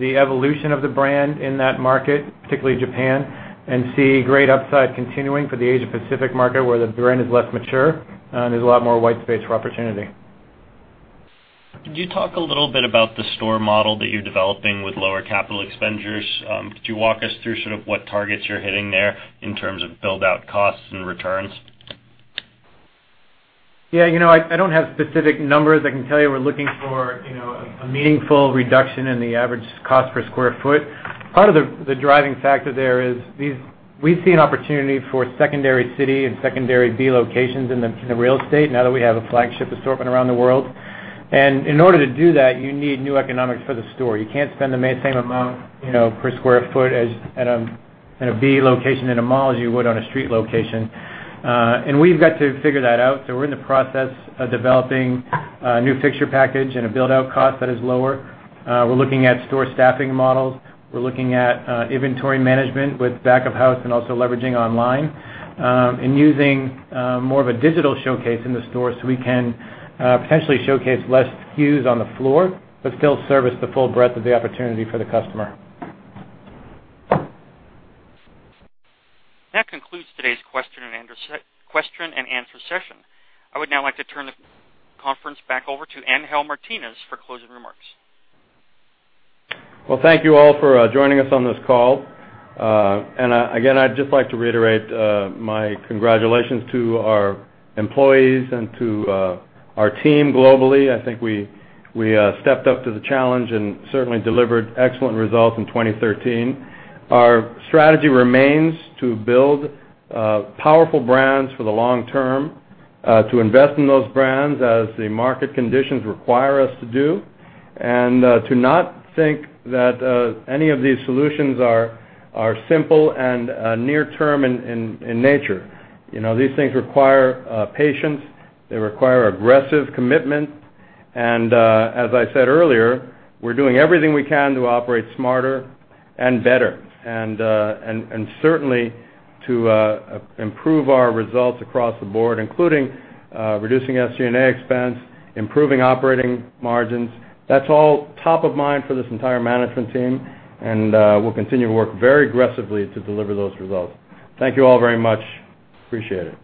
the evolution of the brand in that market, particularly Japan, and see great upside continuing for the Asia-Pacific market, where the brand is less mature and there's a lot more white space for opportunity. Could you talk a little bit about the store model that you're developing with lower capital expenditures? Could you walk us through sort of what targets you're hitting there in terms of build-out costs and returns? Yeah. I don't have specific numbers. I can tell you we're looking for a meaningful reduction in the average cost per square foot. Part of the driving factor there is we see an opportunity for secondary city and secondary B locations in the real estate now that we have a flagship assortment around the world. In order to do that, you need new economics for the store. You can't spend the same amount per square foot at a B location in a mall as you would on a street location. We've got to figure that out. We're in the process of developing a new fixture package and a build-out cost that is lower. We're looking at store staffing models. We're looking at inventory management with back-of-house and also leveraging online and using more of a digital showcase in the store so we can potentially showcase less SKUs on the floor, but still service the full breadth of the opportunity for the customer. That concludes today's question and answer session. I would now like to turn the conference back over to Angel Martinez for closing remarks. Well, thank you all for joining us on this call. Again, I'd just like to reiterate my congratulations to our employees and to our team globally. I think we stepped up to the challenge and certainly delivered excellent results in 2013. Our strategy remains to build powerful brands for the long term, to invest in those brands as the market conditions require us to do, to not think that any of these solutions are simple and near term in nature. These things require patience. They require aggressive commitment. As I said earlier, we're doing everything we can to operate smarter and better, and certainly to improve our results across the board, including reducing SG&A expense, improving operating margins. That's all top of mind for this entire management team, we'll continue to work very aggressively to deliver those results. Thank you all very much. Appreciate it.